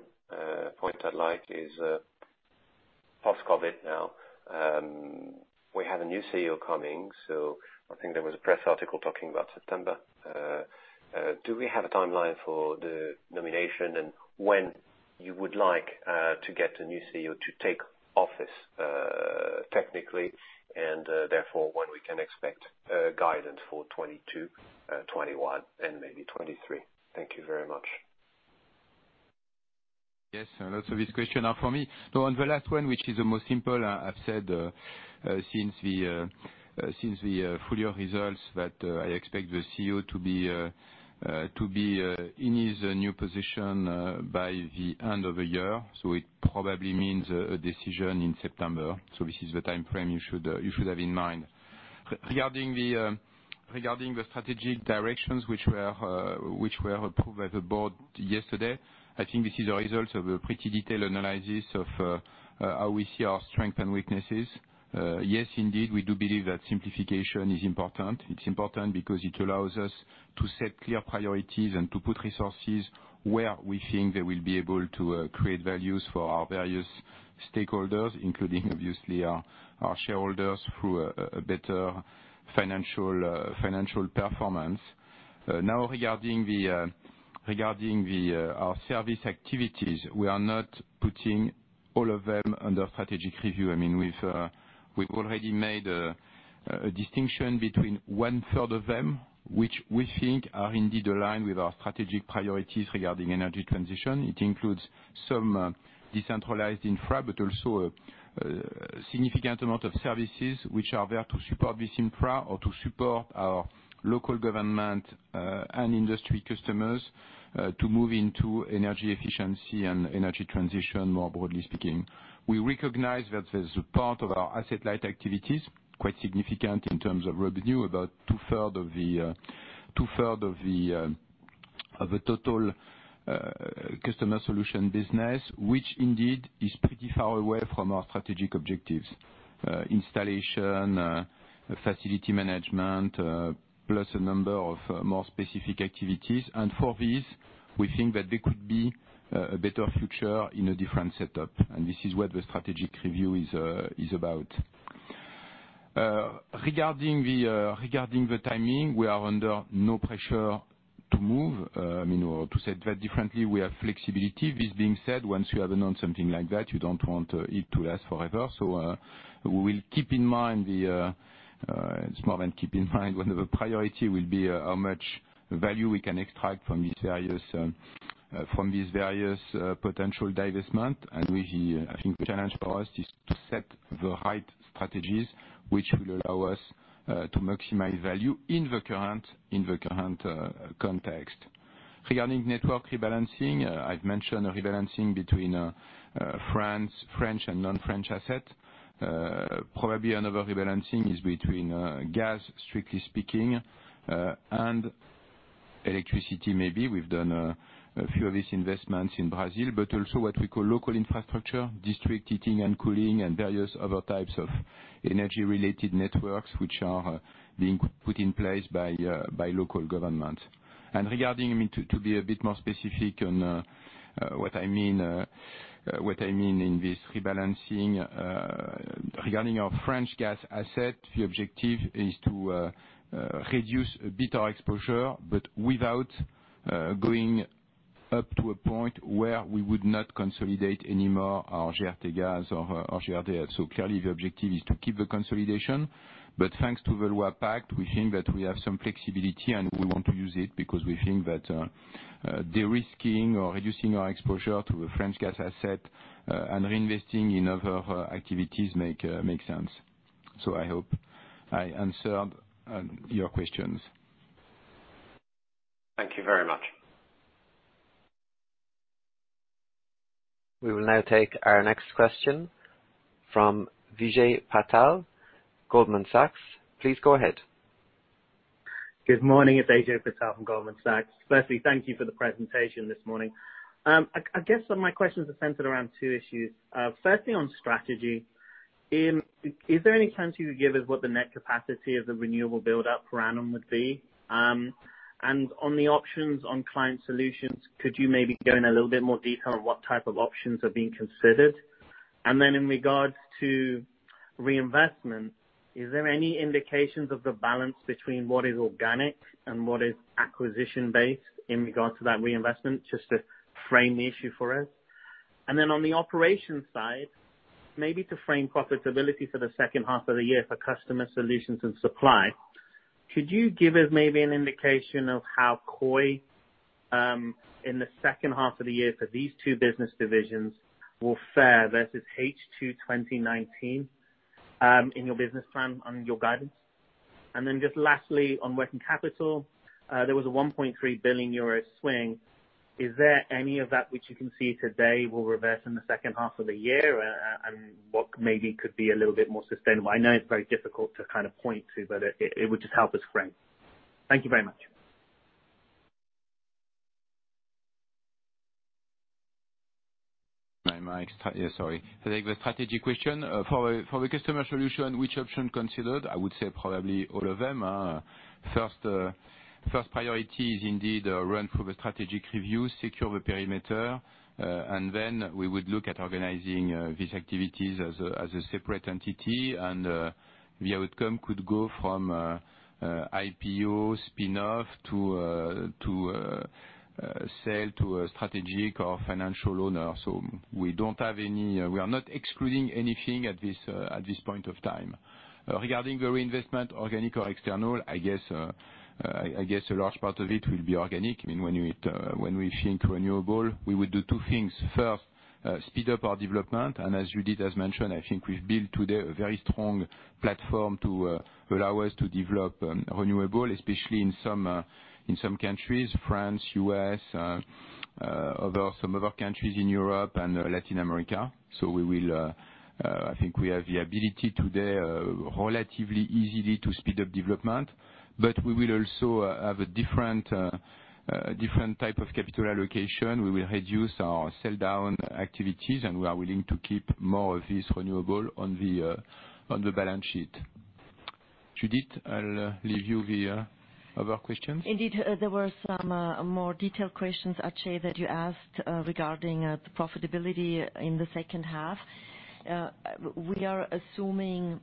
point I'd like is post-COVID now. We have a new CEO coming, so I think there was a press article talking about September. Do we have a timeline for the nomination and when you would like to get a new CEO to take office technically, and therefore when we can expect guidance for 2022, 2021, and maybe 2023? Thank you very much. Yes, and also this question for me. So on the last one, which is the most simple, I've said since the full year results that I expect the CEO to be in his new position by the end of the year. So it probably means a decision in September. So this is the timeframe you should have in mind. Regarding the strategic directions which were approved by the board yesterday, I think this is a result of a pretty detailed analysis of how we see our strengths and weaknesses. Yes, indeed, we do believe that simplification is important. It's important because it allows us to set clear priorities and to put resources where we think they will be able to create values for our various stakeholders, including obviously our shareholders through a better financial performance. Now, regarding our service activities, we are not putting all of them under strategic review. I mean, we've already made a distinction between one-third of them, which we think are indeed aligned with our strategic priorities regarding energy transition. It includes some decentralized infra, but also a significant amount of services which are there to support this infra or to support our local government and industry customers to move into energy efficiency and energy transition more broadly speaking. We recognize that there's a part of our asset-light activities, quite significant in terms of revenue, about two-thirds of the total customer solution business, which indeed is pretty far away from our strategic objectives: installation, facility management, plus a number of more specific activities. And for these, we think that there could be a better future in a different setup. And this is what the strategic review is about. Regarding the timing, we are under no pressure to move. I mean, or to say that differently, we have flexibility. This being said, once you have announced something like that, you don't want it to last forever. So we will keep in mind. It's more than keep in mind. One of the priorities will be how much value we can extract from these various potential divestments. And I think the challenge for us is to set the right strategies which will allow us to maximize value in the current context. Regarding network rebalancing, I've mentioned a rebalancing between French and non-French assets. Probably another rebalancing is between gas, strictly speaking, and electricity maybe. We've done a few of these investments in Brazil, but also what we call local infrastructure, district heating and cooling, and various other types of energy-related networks which are being put in place by local governments. And regarding, to be a bit more specific on what I mean in this rebalancing, regarding our French gas asset, the objective is to reduce a bit our exposure, but without going up to a point where we would not consolidate anymore our GRTgaz or our GRDF. So clearly, the objective is to keep the consolidation. But thanks to the PACTE law, we think that we have some flexibility, and we want to use it because we think that de-risking or reducing our exposure to the French gas asset and reinvesting in other activities makes sense. So I hope I answered your questions. Thank you very much. We will now take our next question from Ajay Patel, Goldman Sachs. Please go ahead. Good morning. It's Ajay Patel from Goldman Sachs. Firstly, thank you for the presentation this morning. I guess some of my questions are centered around two issues. Firstly, on strategy, is there any chance you could give us what the net capacity of the renewable build-up per annum would be? And on the options on Client Solutions, could you maybe go in a little bit more detail on what type of options are being considered? And then in regards to reinvestment, is there any indications of the balance between what is organic and what is acquisition-based in regards to that reinvestment, just to frame the issue for us? And then on the operations side, maybe to frame profitability for the second half of the year for Customer Solutions and Supply, could you give us maybe an indication of how COI in the second half of the year for these two business divisions will fare versus H2 2019 in your business plan on your guidance? And then just lastly, on working capital, there was a 1.3 billion euro swing. Is there any of that which you can see today will reverse in the second half of the year and what maybe could be a little bit more sustainable? I know it's very difficult to kind of point to, but it would just help us frame. Thank you very much. My strategy question. For the customer solution, which option considered? I would say probably all of them. First priority is indeed run through the strategic review, secure the perimeter, and then we would look at organizing these activities as a separate entity. And the outcome could go from IPO, spin-off, to sale, to strategic or financial owner. So we don't have any, we are not excluding anything at this point of time. Regarding the reinvestment, organic or external, I guess a large part of it will be organic. I mean, when we think renewable, we would do two things. First, speed up our development. And as Judith has mentioned, I think we've built today a very strong platform to allow us to develop renewable, especially in some countries: France, U.S., some other countries in Europe, and Latin America. So I think we have the ability today relatively easily to speed up development, but we will also have a different type of capital allocation. We will reduce our sell-down activities, and we are willing to keep more of these renewable on the balance sheet. Judith, I'll leave you with other questions. Indeed, there were some more detailed questions, Ajay, that you asked regarding profitability in the second half. We are assuming,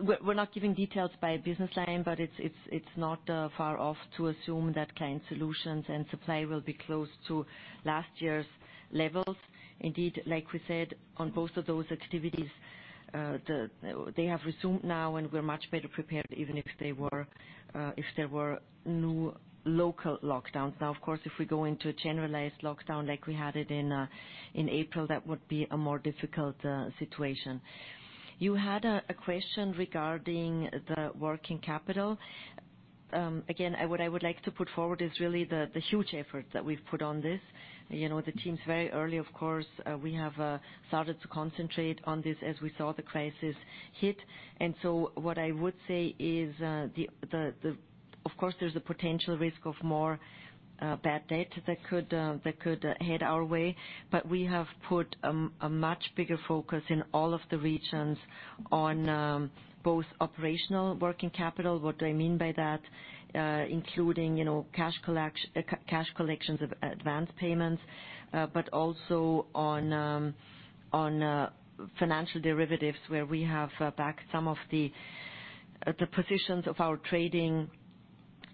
we're not giving details by business line, but it's not far off to assume that Client Solutions and Supply will be close to last year's levels. Indeed, like we said, on both of those activities, they have resumed now, and we're much better prepared even if there were new local lockdowns. Now, of course, if we go into a generalized lockdown like we had it in April, that would be a more difficult situation. You had a question regarding the working capital. Again, what I would like to put forward is really the huge effort that we've put on this. The team's very early, of course. We have started to concentrate on this as we saw the crisis hit. And so what I would say is, of course, there's a potential risk of more bad debt that could head our way, but we have put a much bigger focus in all of the regions on both operational working capital. What do I mean by that? Including cash collections of advance payments, but also on financial derivatives where we have backed some of the positions of our trading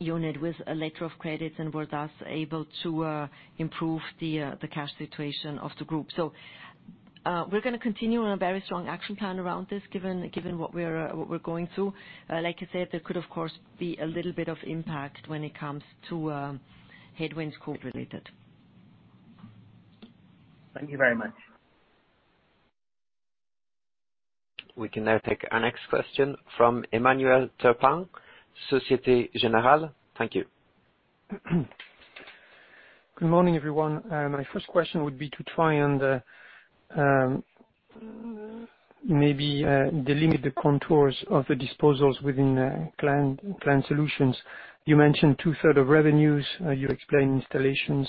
unit with a letter of credits and were thus able to improve the cash situation of the group. So we're going to continue on a very strong action plan around this given what we're going through. Like I said, there could, of course, be a little bit of impact when it comes to headwinds COVID-related. Thank you very much. We can now take our next question from Emmanuel Turpin, Société Générale. Thank you. Good morning, everyone. My first question would be to try and maybe delineate the contours of the disposals within Client Solutions. You mentioned two-thirds of revenues. You explained installations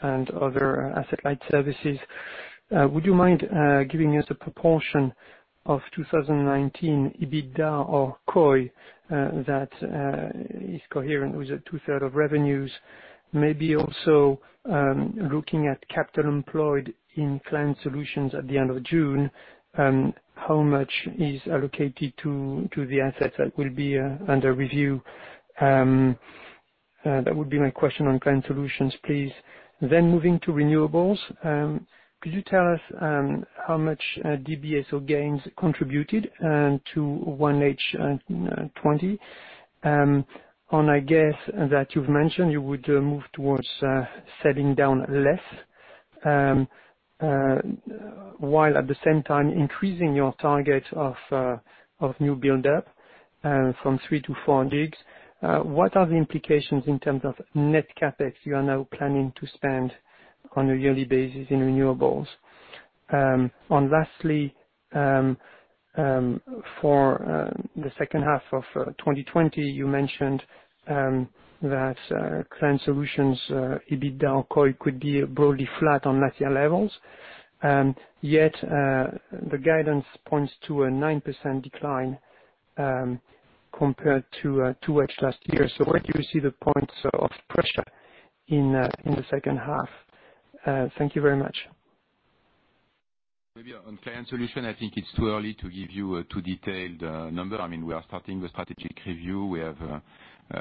and other asset-light services. Would you mind giving us a proportion of 2019 EBITDA or COI that is coherent with the two-thirds of revenues? Maybe also looking at capital employed in Client Solutions at the end of June, how much is allocated to the assets that will be under review? That would be my question on Client Solutions, please. Then moving to renewables, could you tell us how much DBSO gains contributed to 1H 2020? On a guess that you've mentioned, you would move towards selling down less while at the same time increasing your target of new build-up from three to four gigs. What are the implications in terms of net CAPEX you are now planning to spend on a yearly basis in renewables? And lastly, for the second half of 2020, you mentioned that Client Solutions EBITDA or COI could be broadly flat on a year-on-year level. Yet the guidance points to a 9% decline compared to H2 last year. So where do you see the points of pressure in the second half? Thank you very much. Maybe on Client Solutions, I think it's too early to give you a too detailed number. I mean, we are starting the strategic review.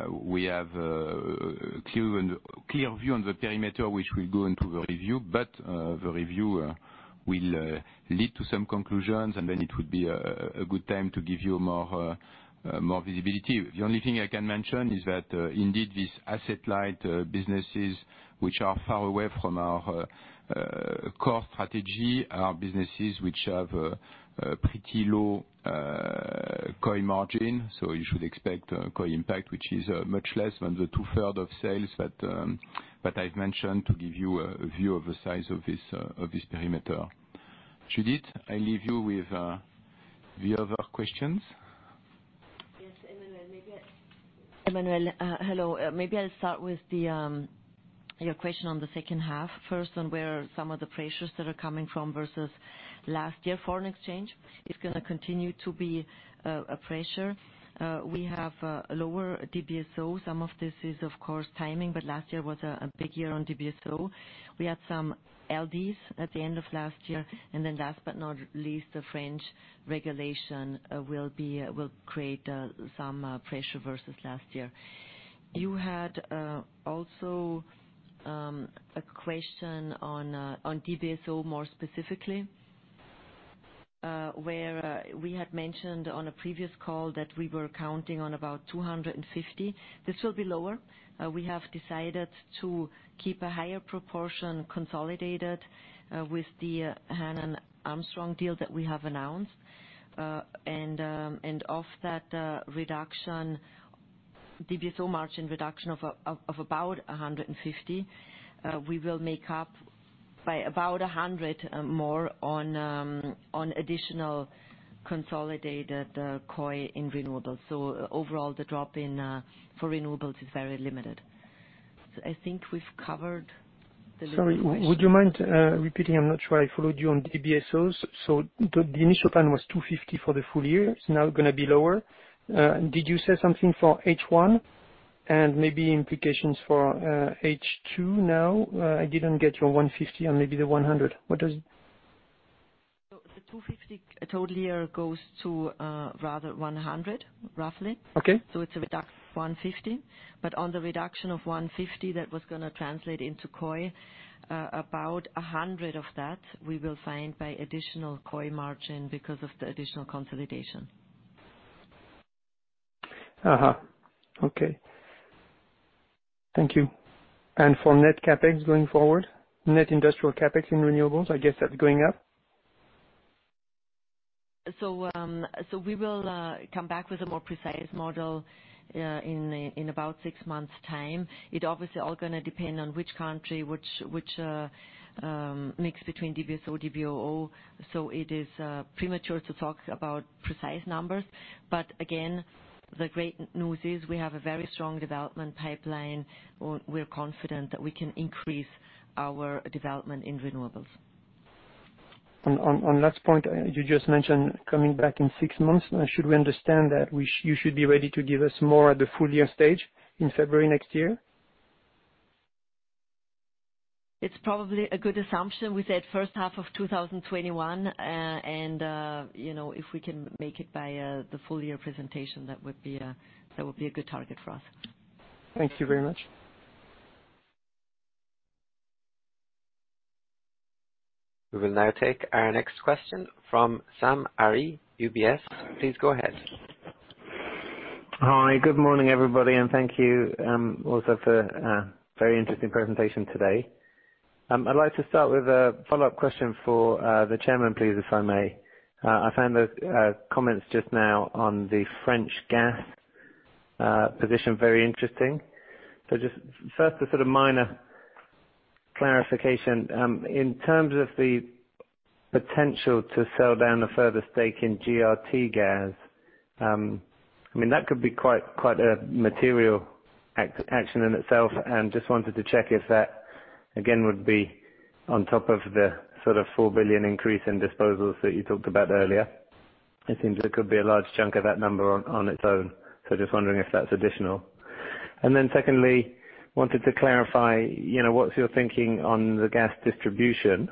We have a clear view on the perimeter which will go into the review, but the review will lead to some conclusions, and then it would be a good time to give you more visibility. The only thing I can mention is that indeed these asset-light businesses which are far away from our core strategy, our businesses which have pretty low COI margin. So you should expect COI impact, which is much less than the two-thirds of sales that I've mentioned to give you a view of the size of this perimeter. Judith, I leave you with the other questions. Yes, Emmanuel. Emmanuel, hello. Maybe I'll start with your question on the second half. First, on where some of the pressures that are coming from versus last year. Foreign exchange is going to continue to be a pressure. We have lower DBSO. Some of this is, of course, timing, but last year was a big year on DBSO. We had some LDs at the end of last year. And then last but not least, the French regulation will create some pressure versus last year. You had also a question on DBSO more specifically, where we had mentioned on a previous call that we were counting on about 250. This will be lower. We have decided to keep a higher proportion consolidated with the Hannon Armstrong deal that we have announced. And of that reduction, DBSO margin reduction of about 150, we will make up by about 100 more on additional consolidated COI in renewables. So overall, the drop in for renewables is very limited. I think we've covered. Sorry, would you mind repeating? I'm not sure I followed you on DBSOs. So the initial plan was 250 for the full year. It's now going to be lower. Did you say something for H1 and maybe implications for H2 now? I didn't get your 150 and maybe the 100. What does? So the 250 total year goes to rather 100, roughly. So it's a reduction of 150. But on the reduction of 150 that was going to translate into COI, about 100 of that we will find by additional COI margin because of the additional consolidation. Okay. Thank you. And for net CAPEX going forward, net industrial CAPEX in renewables, I guess that's going up? So we will come back with a more precise model in about six months' time. It's obviously all going to depend on which country, which mix between DBSO, DBOO. So it is premature to talk about precise numbers. But again, the great news is we have a very strong development pipeline. We're confident that we can increase our development in renewables. On that point, you just mentioned coming back in six months. Should we understand that you should be ready to give us more at the full year stage in February next year? It's probably a good assumption. We said first half of 2021. And if we can make it by the full year presentation, that would be a good target for us. Thank you very much. We will now take our next question from Sam Arie, UBS. Please go ahead. Hi, Good morning, everybody. And thank you also for a very interesting presentation today. I'd like to start with a follow-up question for the chairman, please, if I may. I found the comments just now on the French gas position very interesting. So just first, a sort of minor clarification. In terms of the potential to sell down a further stake in GRTgaz, I mean, that could be quite a material action in itself. And just wanted to check if that, again, would be on top of the sort of 4 billion increase in disposals that you talked about earlier. It seems there could be a large chunk of that number on its own. So just wondering if that's additional. And then secondly, wanted to clarify what's your thinking on the gas distribution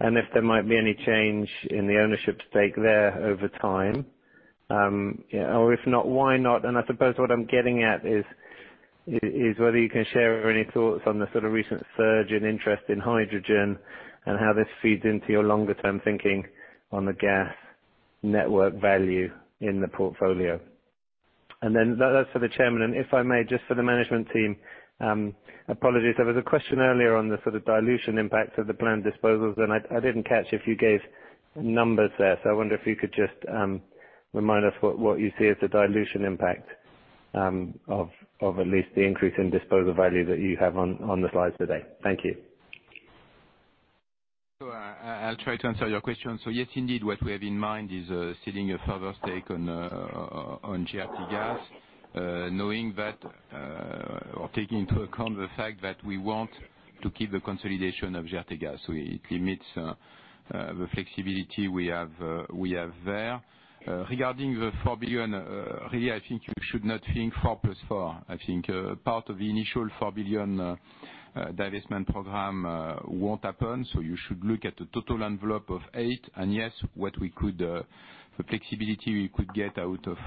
and if there might be any change in the ownership stake there over time. Or if not, why not? I suppose what I'm getting at is whether you can share any thoughts on the sort of recent surge in interest in hydrogen and how this feeds into your longer-term thinking on the gas network value in the portfolio? And then that's for the chairman. And if I may, just for the management team, apologies. There was a question earlier on the sort of dilution impacts of the planned disposals, and I didn't catch if you gave numbers there. So I wonder if you could just remind us what you see as the dilution impact of at least the increase in disposal value that you have on the slides today. Thank you. I'll try to answer your question. Yes, indeed, what we have in mind is selling a further stake in GRTgaz, knowing that or taking into account the fact that we want to keep the consolidation of GRTgaz. It limits the flexibility we have there. Regarding the 4 billion, really, I think you should not think 4 plus 4. I think part of the initial 4 billion divestment program won't happen. You should look at the total envelope of 8 billion. Yes, what we could, the flexibility we could get out of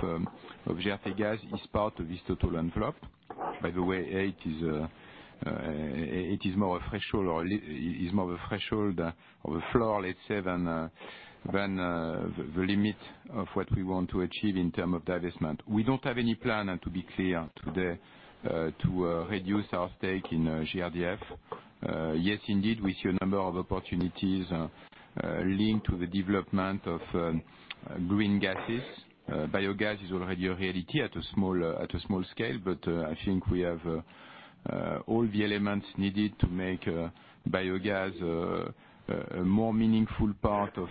GRTgaz is part of this total envelope. By the way, 8 billion is more of a threshold or is more of a threshold of a floor, let's say, than the limit of what we want to achieve in terms of divestment. We don't have any plan, and to be clear today, to reduce our stake in GRDF. Yes, indeed, we see a number of opportunities linked to the development of green gases. Biogas is already a reality at a small scale, but I think we have all the elements needed to make biogas a more meaningful part of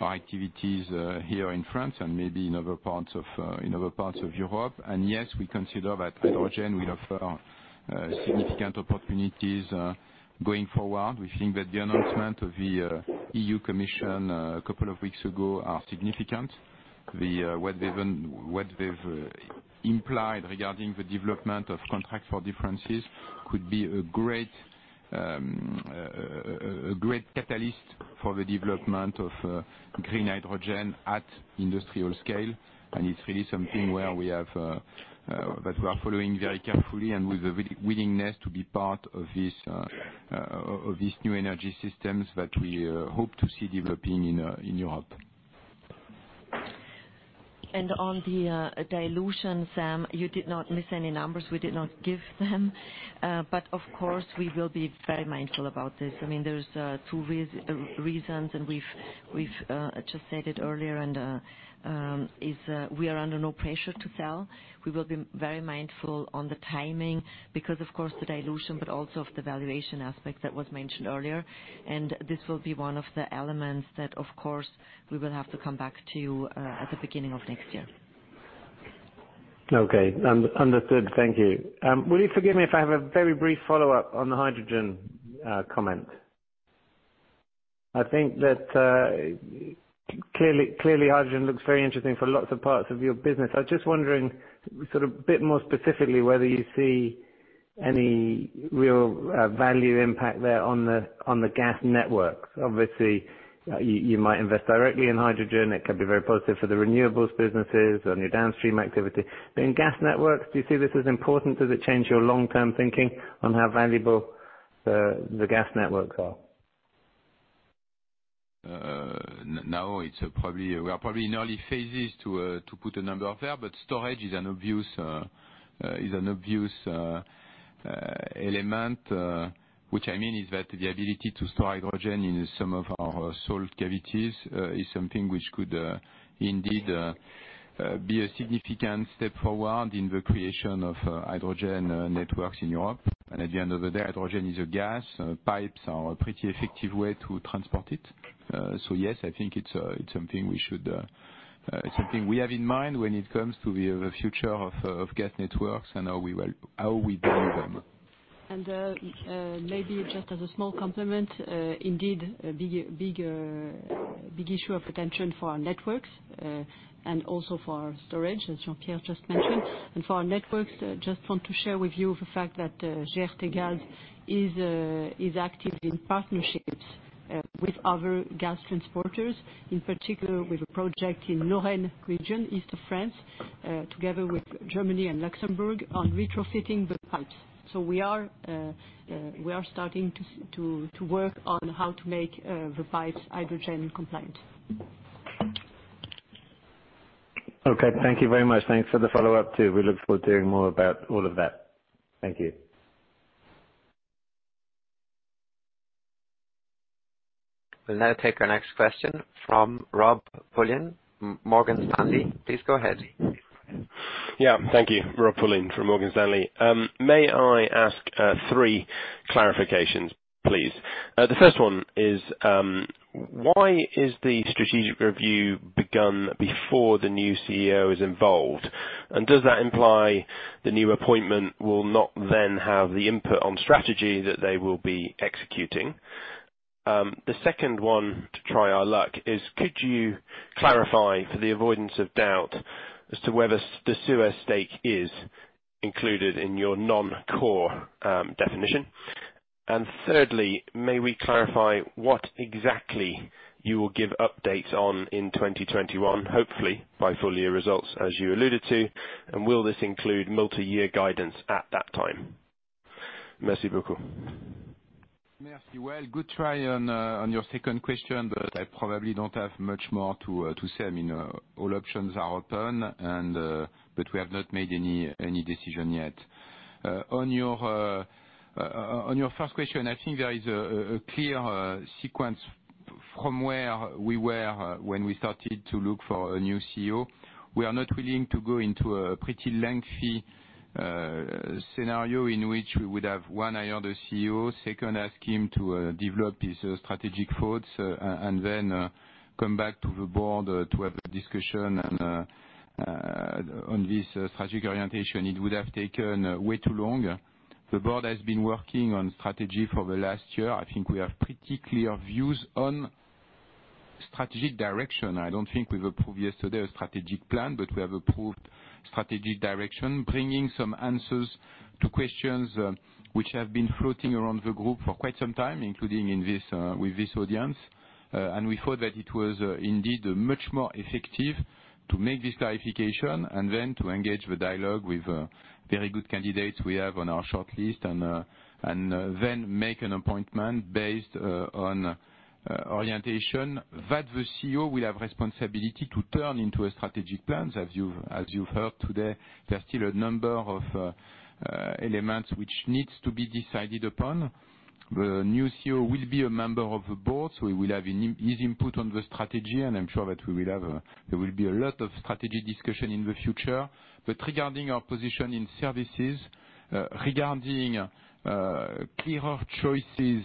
our activities here in France and maybe in other parts of Europe. Yes, we consider that hydrogen will offer significant opportunities going forward. We think that the announcement of the European Commission a couple of weeks ago is significant. What they've implied regarding the development of contracts for difference could be a great catalyst for the development of green hydrogen at industrial scale. It's really something that we are following very carefully and with the willingness to be part of these new energy systems that we hope to see developing in Europe. On the dilution, Sam, you did not miss any numbers. We did not give them, but of course, we will be very mindful about this. I mean, there's two reasons, and we've just said it earlier, and we are under no pressure to sell. We will be very mindful on the timing because, of course, the dilution, but also of the valuation aspect that was mentioned earlier, and this will be one of the elements that, of course, we will have to come back to you at the beginning of next year. Okay. Understood. Thank you. Will you forgive me if I have a very brief follow-up on the hydrogen comment? I think that clearly, hydrogen looks very interesting for lots of parts of your business. I'm just wondering sort of a bit more specifically whether you see any real value impact there on the gas networks. Obviously, you might invest directly in hydrogen. It can be very positive for the renewables businesses and your downstream activity, but in gas networks, do you see this as important? Does it change your long-term thinking on how valuable the gas networks are? Now, we are probably in early phases to put a number there, but storage is an obvious element, which I mean is that the ability to store hydrogen in some of our salt cavities is something which could indeed be a significant step forward in the creation of hydrogen networks in Europe, and at the end of the day, hydrogen is a gas. Pipes are a pretty effective way to transport it. Yes, I think it's something we have in mind when it comes to the future of gas networks and how we value them. Maybe just as a small complement, indeed, a big issue of attention for our networks and also for our storage, as Jean-Pierre just mentioned. For our networks, just want to share with you the fact that GRTgaz is active in partnerships with other gas transporters, in particular with a project in Lorraine region, east of France, together with Germany and Luxembourg on retrofitting the pipes. We are starting to work on how to make the pipes hydrogen compliant. Okay. Thank you very much. Thanks for the follow-up too. We look forward to hearing more about all of that. Thank you. We'll now take our next question from Rob Pullin, Morgan Stanley. Please go ahead. Yeah. Thank you, Rob Pullin from Morgan Stanley. May I ask three clarifications, please? The first one is, why is the strategic review begun before the new CEO is involved? Does that imply the new appointment will not then have the input on strategy that they will be executing? The second one, to try our luck, is could you clarify for the avoidance of doubt as to whether the Suez stake is included in your non-core definition? And thirdly, may we clarify what exactly you will give updates on in 2021, hopefully by full year results, as you alluded to? And will this include multi-year guidance at that time? Merci beaucoup. Merci bien. Good try on your second question, but I probably don't have much more to say. I mean, all options are open, but we have not made any decision yet. On your first question, I think there is a clear sequence from where we were when we started to look for a new CEO. We are not willing to go into a pretty lengthy scenario in which we would have one eye on the CEO, second, ask him to develop his strategic thoughts, and then come back to the board to have a discussion on this strategic orientation. It would have taken way too long. The board has been working on strategy for the last year. I think we have pretty clear views on strategic direction. I don't think we've approved yesterday a strategic plan, but we have approved strategic direction, bringing some answers to questions which have been floating around the group for quite some time, including with this audience. And we thought that it was indeed much more effective to make this clarification and then to engage the dialogue with very good candidates we have on our short list and then make an appointment based on orientation. That the CEO will have responsibility to turn into a strategic plan. As you've heard today, there's still a number of elements which need to be decided upon. The new CEO will be a member of the board, so he will have his input on the strategy, and I'm sure that there will be a lot of strategy discussion in the future, but regarding our position in services, regarding clearer choices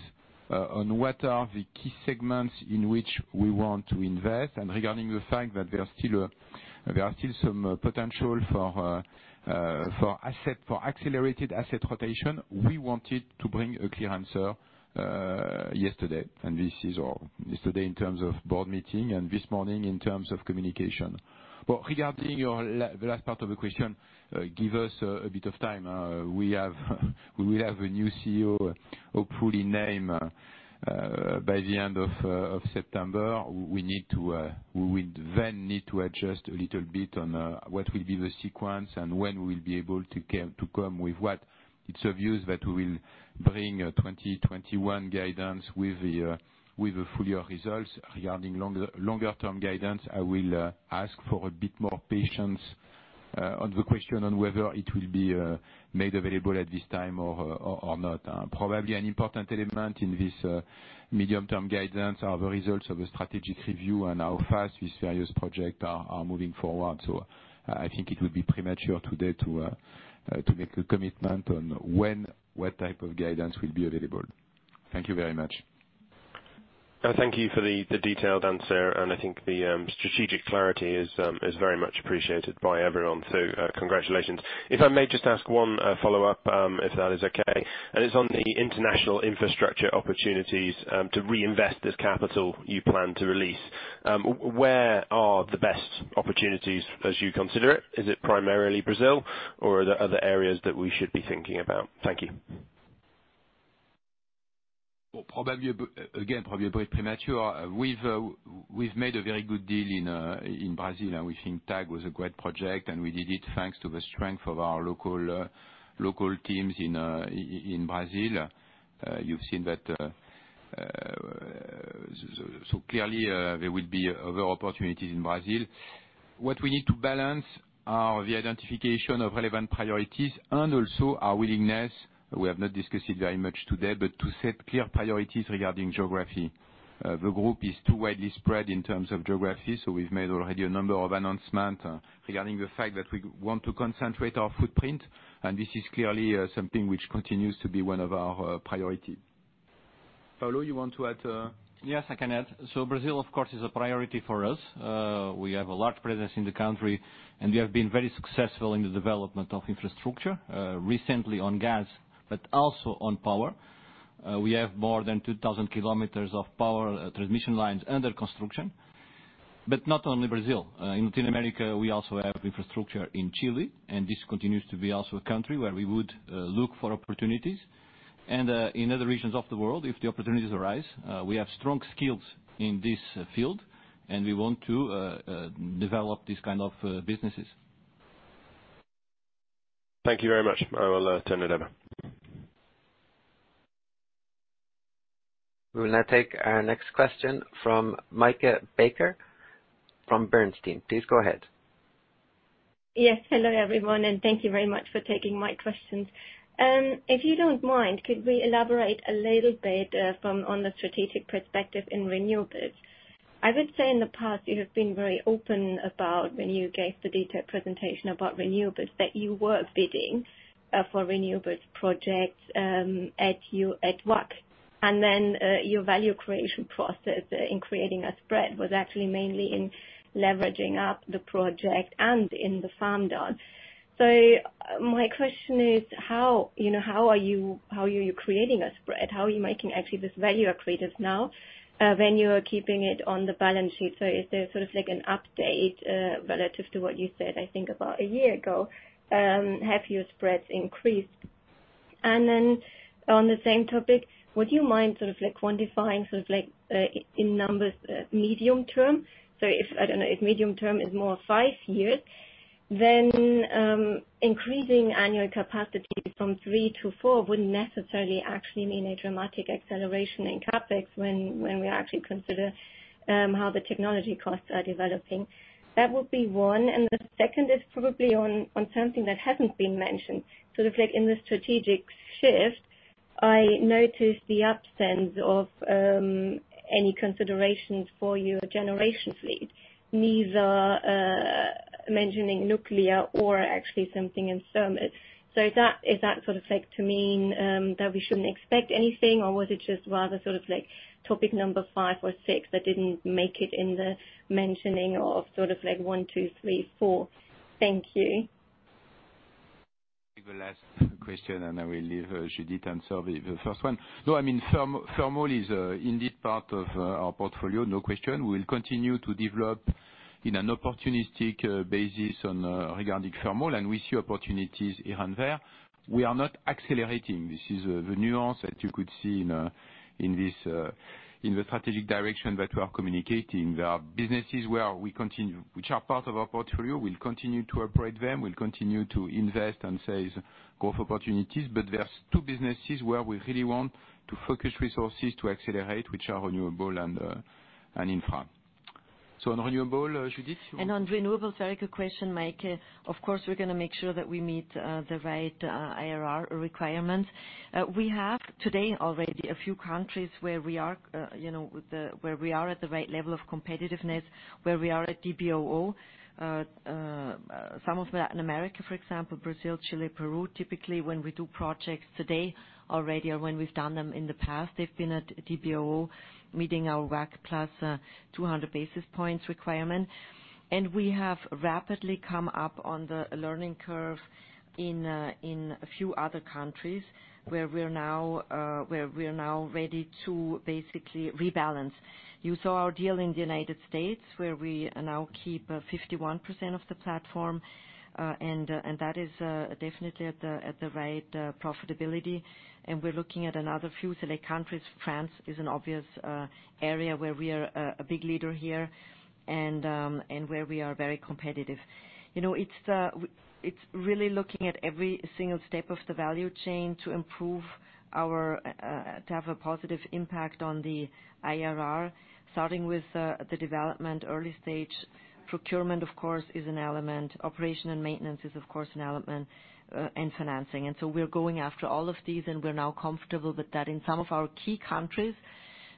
on what are the key segments in which we want to invest, and regarding the fact that there are still some potential for accelerated asset rotation, we wanted to bring a clear answer yesterday, and this is yesterday in terms of board meeting and this morning in terms of communication. Well, regarding the last part of the question, give us a bit of time. We will have a new CEO, hopefully named by the end of September. We then need to adjust a little bit on what will be the sequence and when we will be able to come with what. It's obvious that we will bring 2021 guidance with the full year results. Regarding longer-term guidance, I will ask for a bit more patience on the question on whether it will be made available at this time or not. Probably an important element in this medium-term guidance are the results of the strategic review and how fast these various projects are moving forward, so I think it would be premature today to make a commitment on when what type of guidance will be available. Thank you very much. Thank you for the detailed answer, and I think the strategic clarity is very much appreciated by everyone, so congratulations. If I may just ask one follow-up, if that is okay. And it's on the international infrastructure opportunities to reinvest this capital you plan to release. Where are the best opportunities as you consider it? Is it primarily Brazil, or are there other areas that we should be thinking about? Thank you. Well, again, probably a bit premature. We've made a very good deal in Brazil. We think TAG was a great project, and we did it thanks to the strength of our local teams in Brazil. You've seen that. So clearly, there will be other opportunities in Brazil. What we need to balance are the identification of relevant priorities and also our willingness. We have not discussed it very much today, but to set clear priorities regarding geography. The group is too widely spread in terms of geography, so we've made already a number of announcements regarding the fact that we want to concentrate our footprint. And this is clearly something which continues to be one of our priorities. Paulo, you want to add? Yes, I can add. So Brazil, of course, is a priority for us. We have a large presence in the country, and we have been very successful in the development of infrastructure, recently on gas, but also on power. We have more than 2,000 kilometers of power transmission lines under construction. But not only Brazil. In Latin America, we also have infrastructure in Chile, and this continues to be also a country where we would look for opportunities. And in other regions of the world, if the opportunities arise, we have strong skills in this field, and we want to develop this kind of businesses. Thank you very much. I will turn it over. We will now take our next question from Meike Becker from Bernstein. Please go ahead. Yes. Hello, everyone, and thank you very much for taking my questions. If you don't mind, could we elaborate a little bit on the strategic perspective in renewables? I would say in the past, you have been very open about when you gave the detailed presentation about renewables that you were bidding for renewables projects at WACC. And then your value creation process in creating a spread was actually mainly in leveraging up the project and in the farm down. So my question is, how are you creating a spread? How are you making actually this value accretive now when you are keeping it on the balance sheet? So is there sort of an update relative to what you said, I think, about a year ago? Have your spreads increased? And then on the same topic, would you mind sort of quantifying in numbers medium term? So I don't know. If medium term is more five years, then increasing annual capacity from three to four wouldn't necessarily actually mean a dramatic acceleration in CapEx when we actually consider how the technology costs are developing. That would be one. And the second is probably on something that hasn't been mentioned. So in the strategic shift, I noticed the absence of any considerations for your generation fleet, neither mentioning nuclear or actually something in thermal. So is that sort of to mean that we shouldn't expect anything, or was it just rather sort of topic number five or six that didn't make it in the mentioning of sort of one, two, three, four? Thank you. The last question, and I will leave Judith answer the first one. No, I mean, thermal is indeed part of our portfolio. No question. We will continue to develop in an opportunistic basis regarding thermal, and we see opportunities here and there. We are not accelerating. This is the nuance that you could see in the strategic direction that we are communicating. There are businesses which are part of our portfolio. We'll continue to operate them. We'll continue to invest and size growth opportunities. But there are two businesses where we really want to focus resources to accelerate, which are renewable and infra. So on renewable, Judith? And on renewables, very good question, Meike. Of course, we're going to make sure that we meet the right IRR requirements. We have today already a few countries where we are at the right level of competitiveness, where we are at DBOO. Some of Latin America, for example, Brazil, Chile, Peru, typically when we do projects today already or when we've done them in the past, they've been at DBOO meeting our WACC plus 200 basis points requirement. And we have rapidly come up on the learning curve in a few other countries where we're now ready to basically rebalance. You saw our deal in the United States, where we now keep 51% of the platform, and that is definitely at the right profitability. And we're looking at another few select countries. France is an obvious area where we are a big leader here and where we are very competitive. It's really looking at every single step of the value chain to improve our to have a positive impact on the IRR, starting with the development. Early stage procurement, of course, is an element. Operation and maintenance is, of course, an element, and financing. And so we're going after all of these, and we're now comfortable with that. In some of our key countries,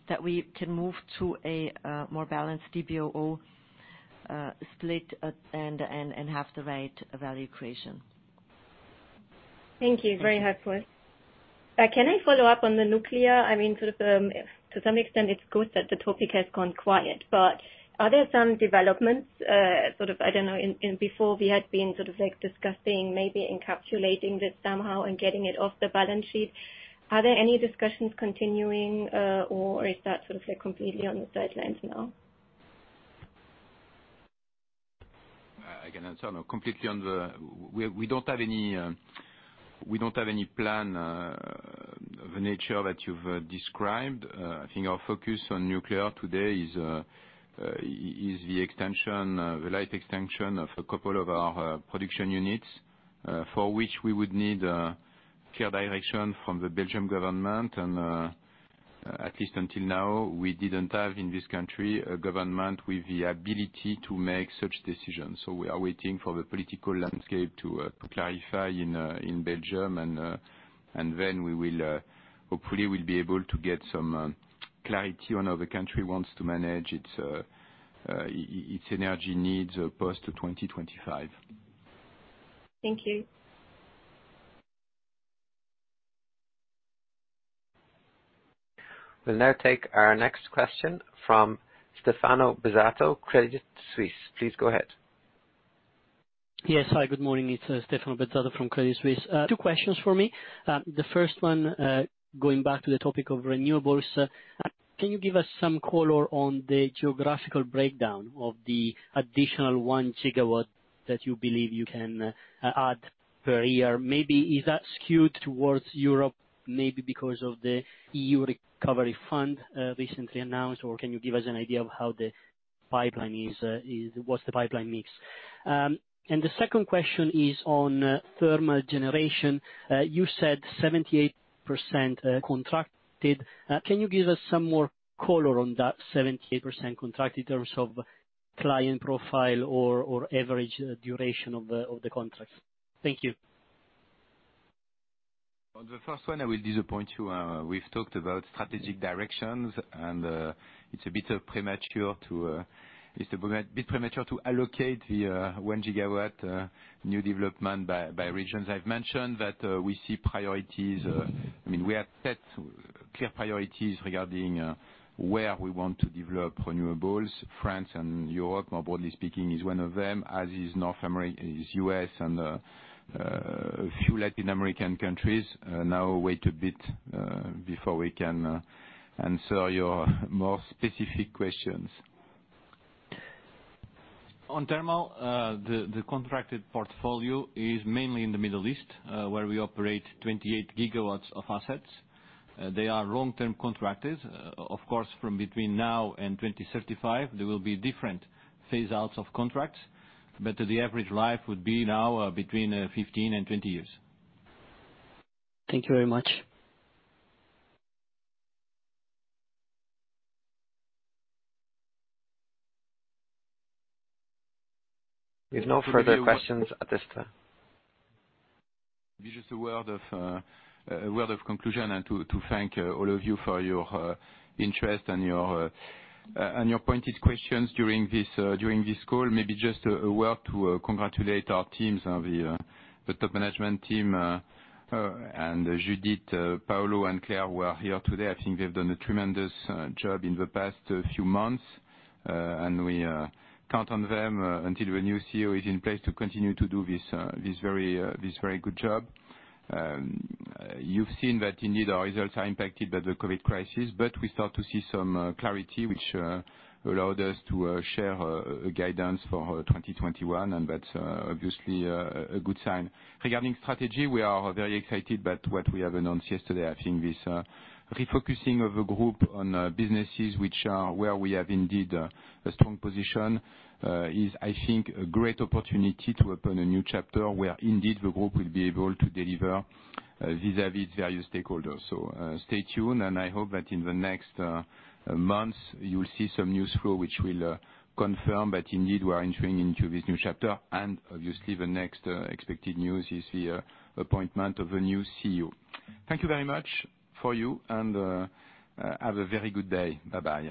that we can move to a more balanced DBOO split and have the right value creation. Thank you. Very helpful. Can I follow up on the nuclear? I mean, sort of to some extent, it's good that the topic has gone quiet, but are there some developments? Sort of, I don't know. Before, we had been sort of discussing maybe encapsulating this somehow and getting it off the balance sheet. Are there any discussions continuing, or is that sort of completely on the sidelines now? Again, I'm sorry, no, completely on the we don't have any plan of the nature that you've described. I think our focus on nuclear today is the lifetime extension of a couple of our production units, for which we would need clear direction from the Belgian government. And at least until now, we didn't have in this country a government with the ability to make such decisions. So we are waiting for the political landscape to clarify in Belgium, and then hopefully, we'll be able to get some clarity on how the country wants to manage its energy needs post-2025. Thank you. We'll now take our next question from Stefano Bezzato, Credit Suisse. Please go ahead. Yes. Hi, good morning. It's Stefano Bezzato from Credit Suisse. Two questions for me. The first one, going back to the topic of renewables, can you give us some color on the geographical breakdown of the additional one gigawatt that you believe you can add per year? Maybe, is that skewed towards Europe, maybe because of the EU Recovery Fund recently announced, or can you give us an idea of what the pipeline mix is? And the second question is on thermal generation. You said 78% contracted. Can you give us some more color on that 78% contract in terms of client profile or average duration of the contract? Thank you. On the first one, I will disappoint you. We've talked about strategic directions, and it's a bit premature to allocate the one gigawatt new development by regions. I've mentioned that we see priorities. I mean, we have set clear priorities regarding where we want to develop renewables. France and Europe, more broadly speaking, is one of them, as is North America, U.S., and a few Latin American countries. Now, wait a bit before we can answer your more specific questions. On thermal, the contracted portfolio is mainly in the Middle East, where we operate 28 gigawatts of assets. They are long-term contracted. Of course, from between now and 2035, there will be different phase-outs of contracts, but the average life would be now between 15 and 20 years. Thank you very much. We have no further questions at this time. Just a word of conclusion and to thank all of you for your interest and your pointed questions during this call. Maybe just a word to congratulate our teams, the top management team, and Judith, Paulo, and Claire who are here today. I think they've done a tremendous job in the past few months, and we count on them until the new CEO is in place to continue to do this very good job. You've seen that indeed our results are impacted by the COVID crisis, but we start to see some clarity which allowed us to share guidance for 2021, and that's obviously a good sign. Regarding strategy, we are very excited about what we have announced yesterday. I think this refocusing of the group on businesses where we have indeed a strong position is, I think, a great opportunity to open a new chapter where indeed the group will be able to deliver vis-à-vis various stakeholders. So stay tuned, and I hope that in the next months, you'll see some news flow which will confirm that indeed we are entering into this new chapter, and obviously, the next expected news is the appointment of a new CEO. Thank you very much for you, and have a very good day. Bye-bye.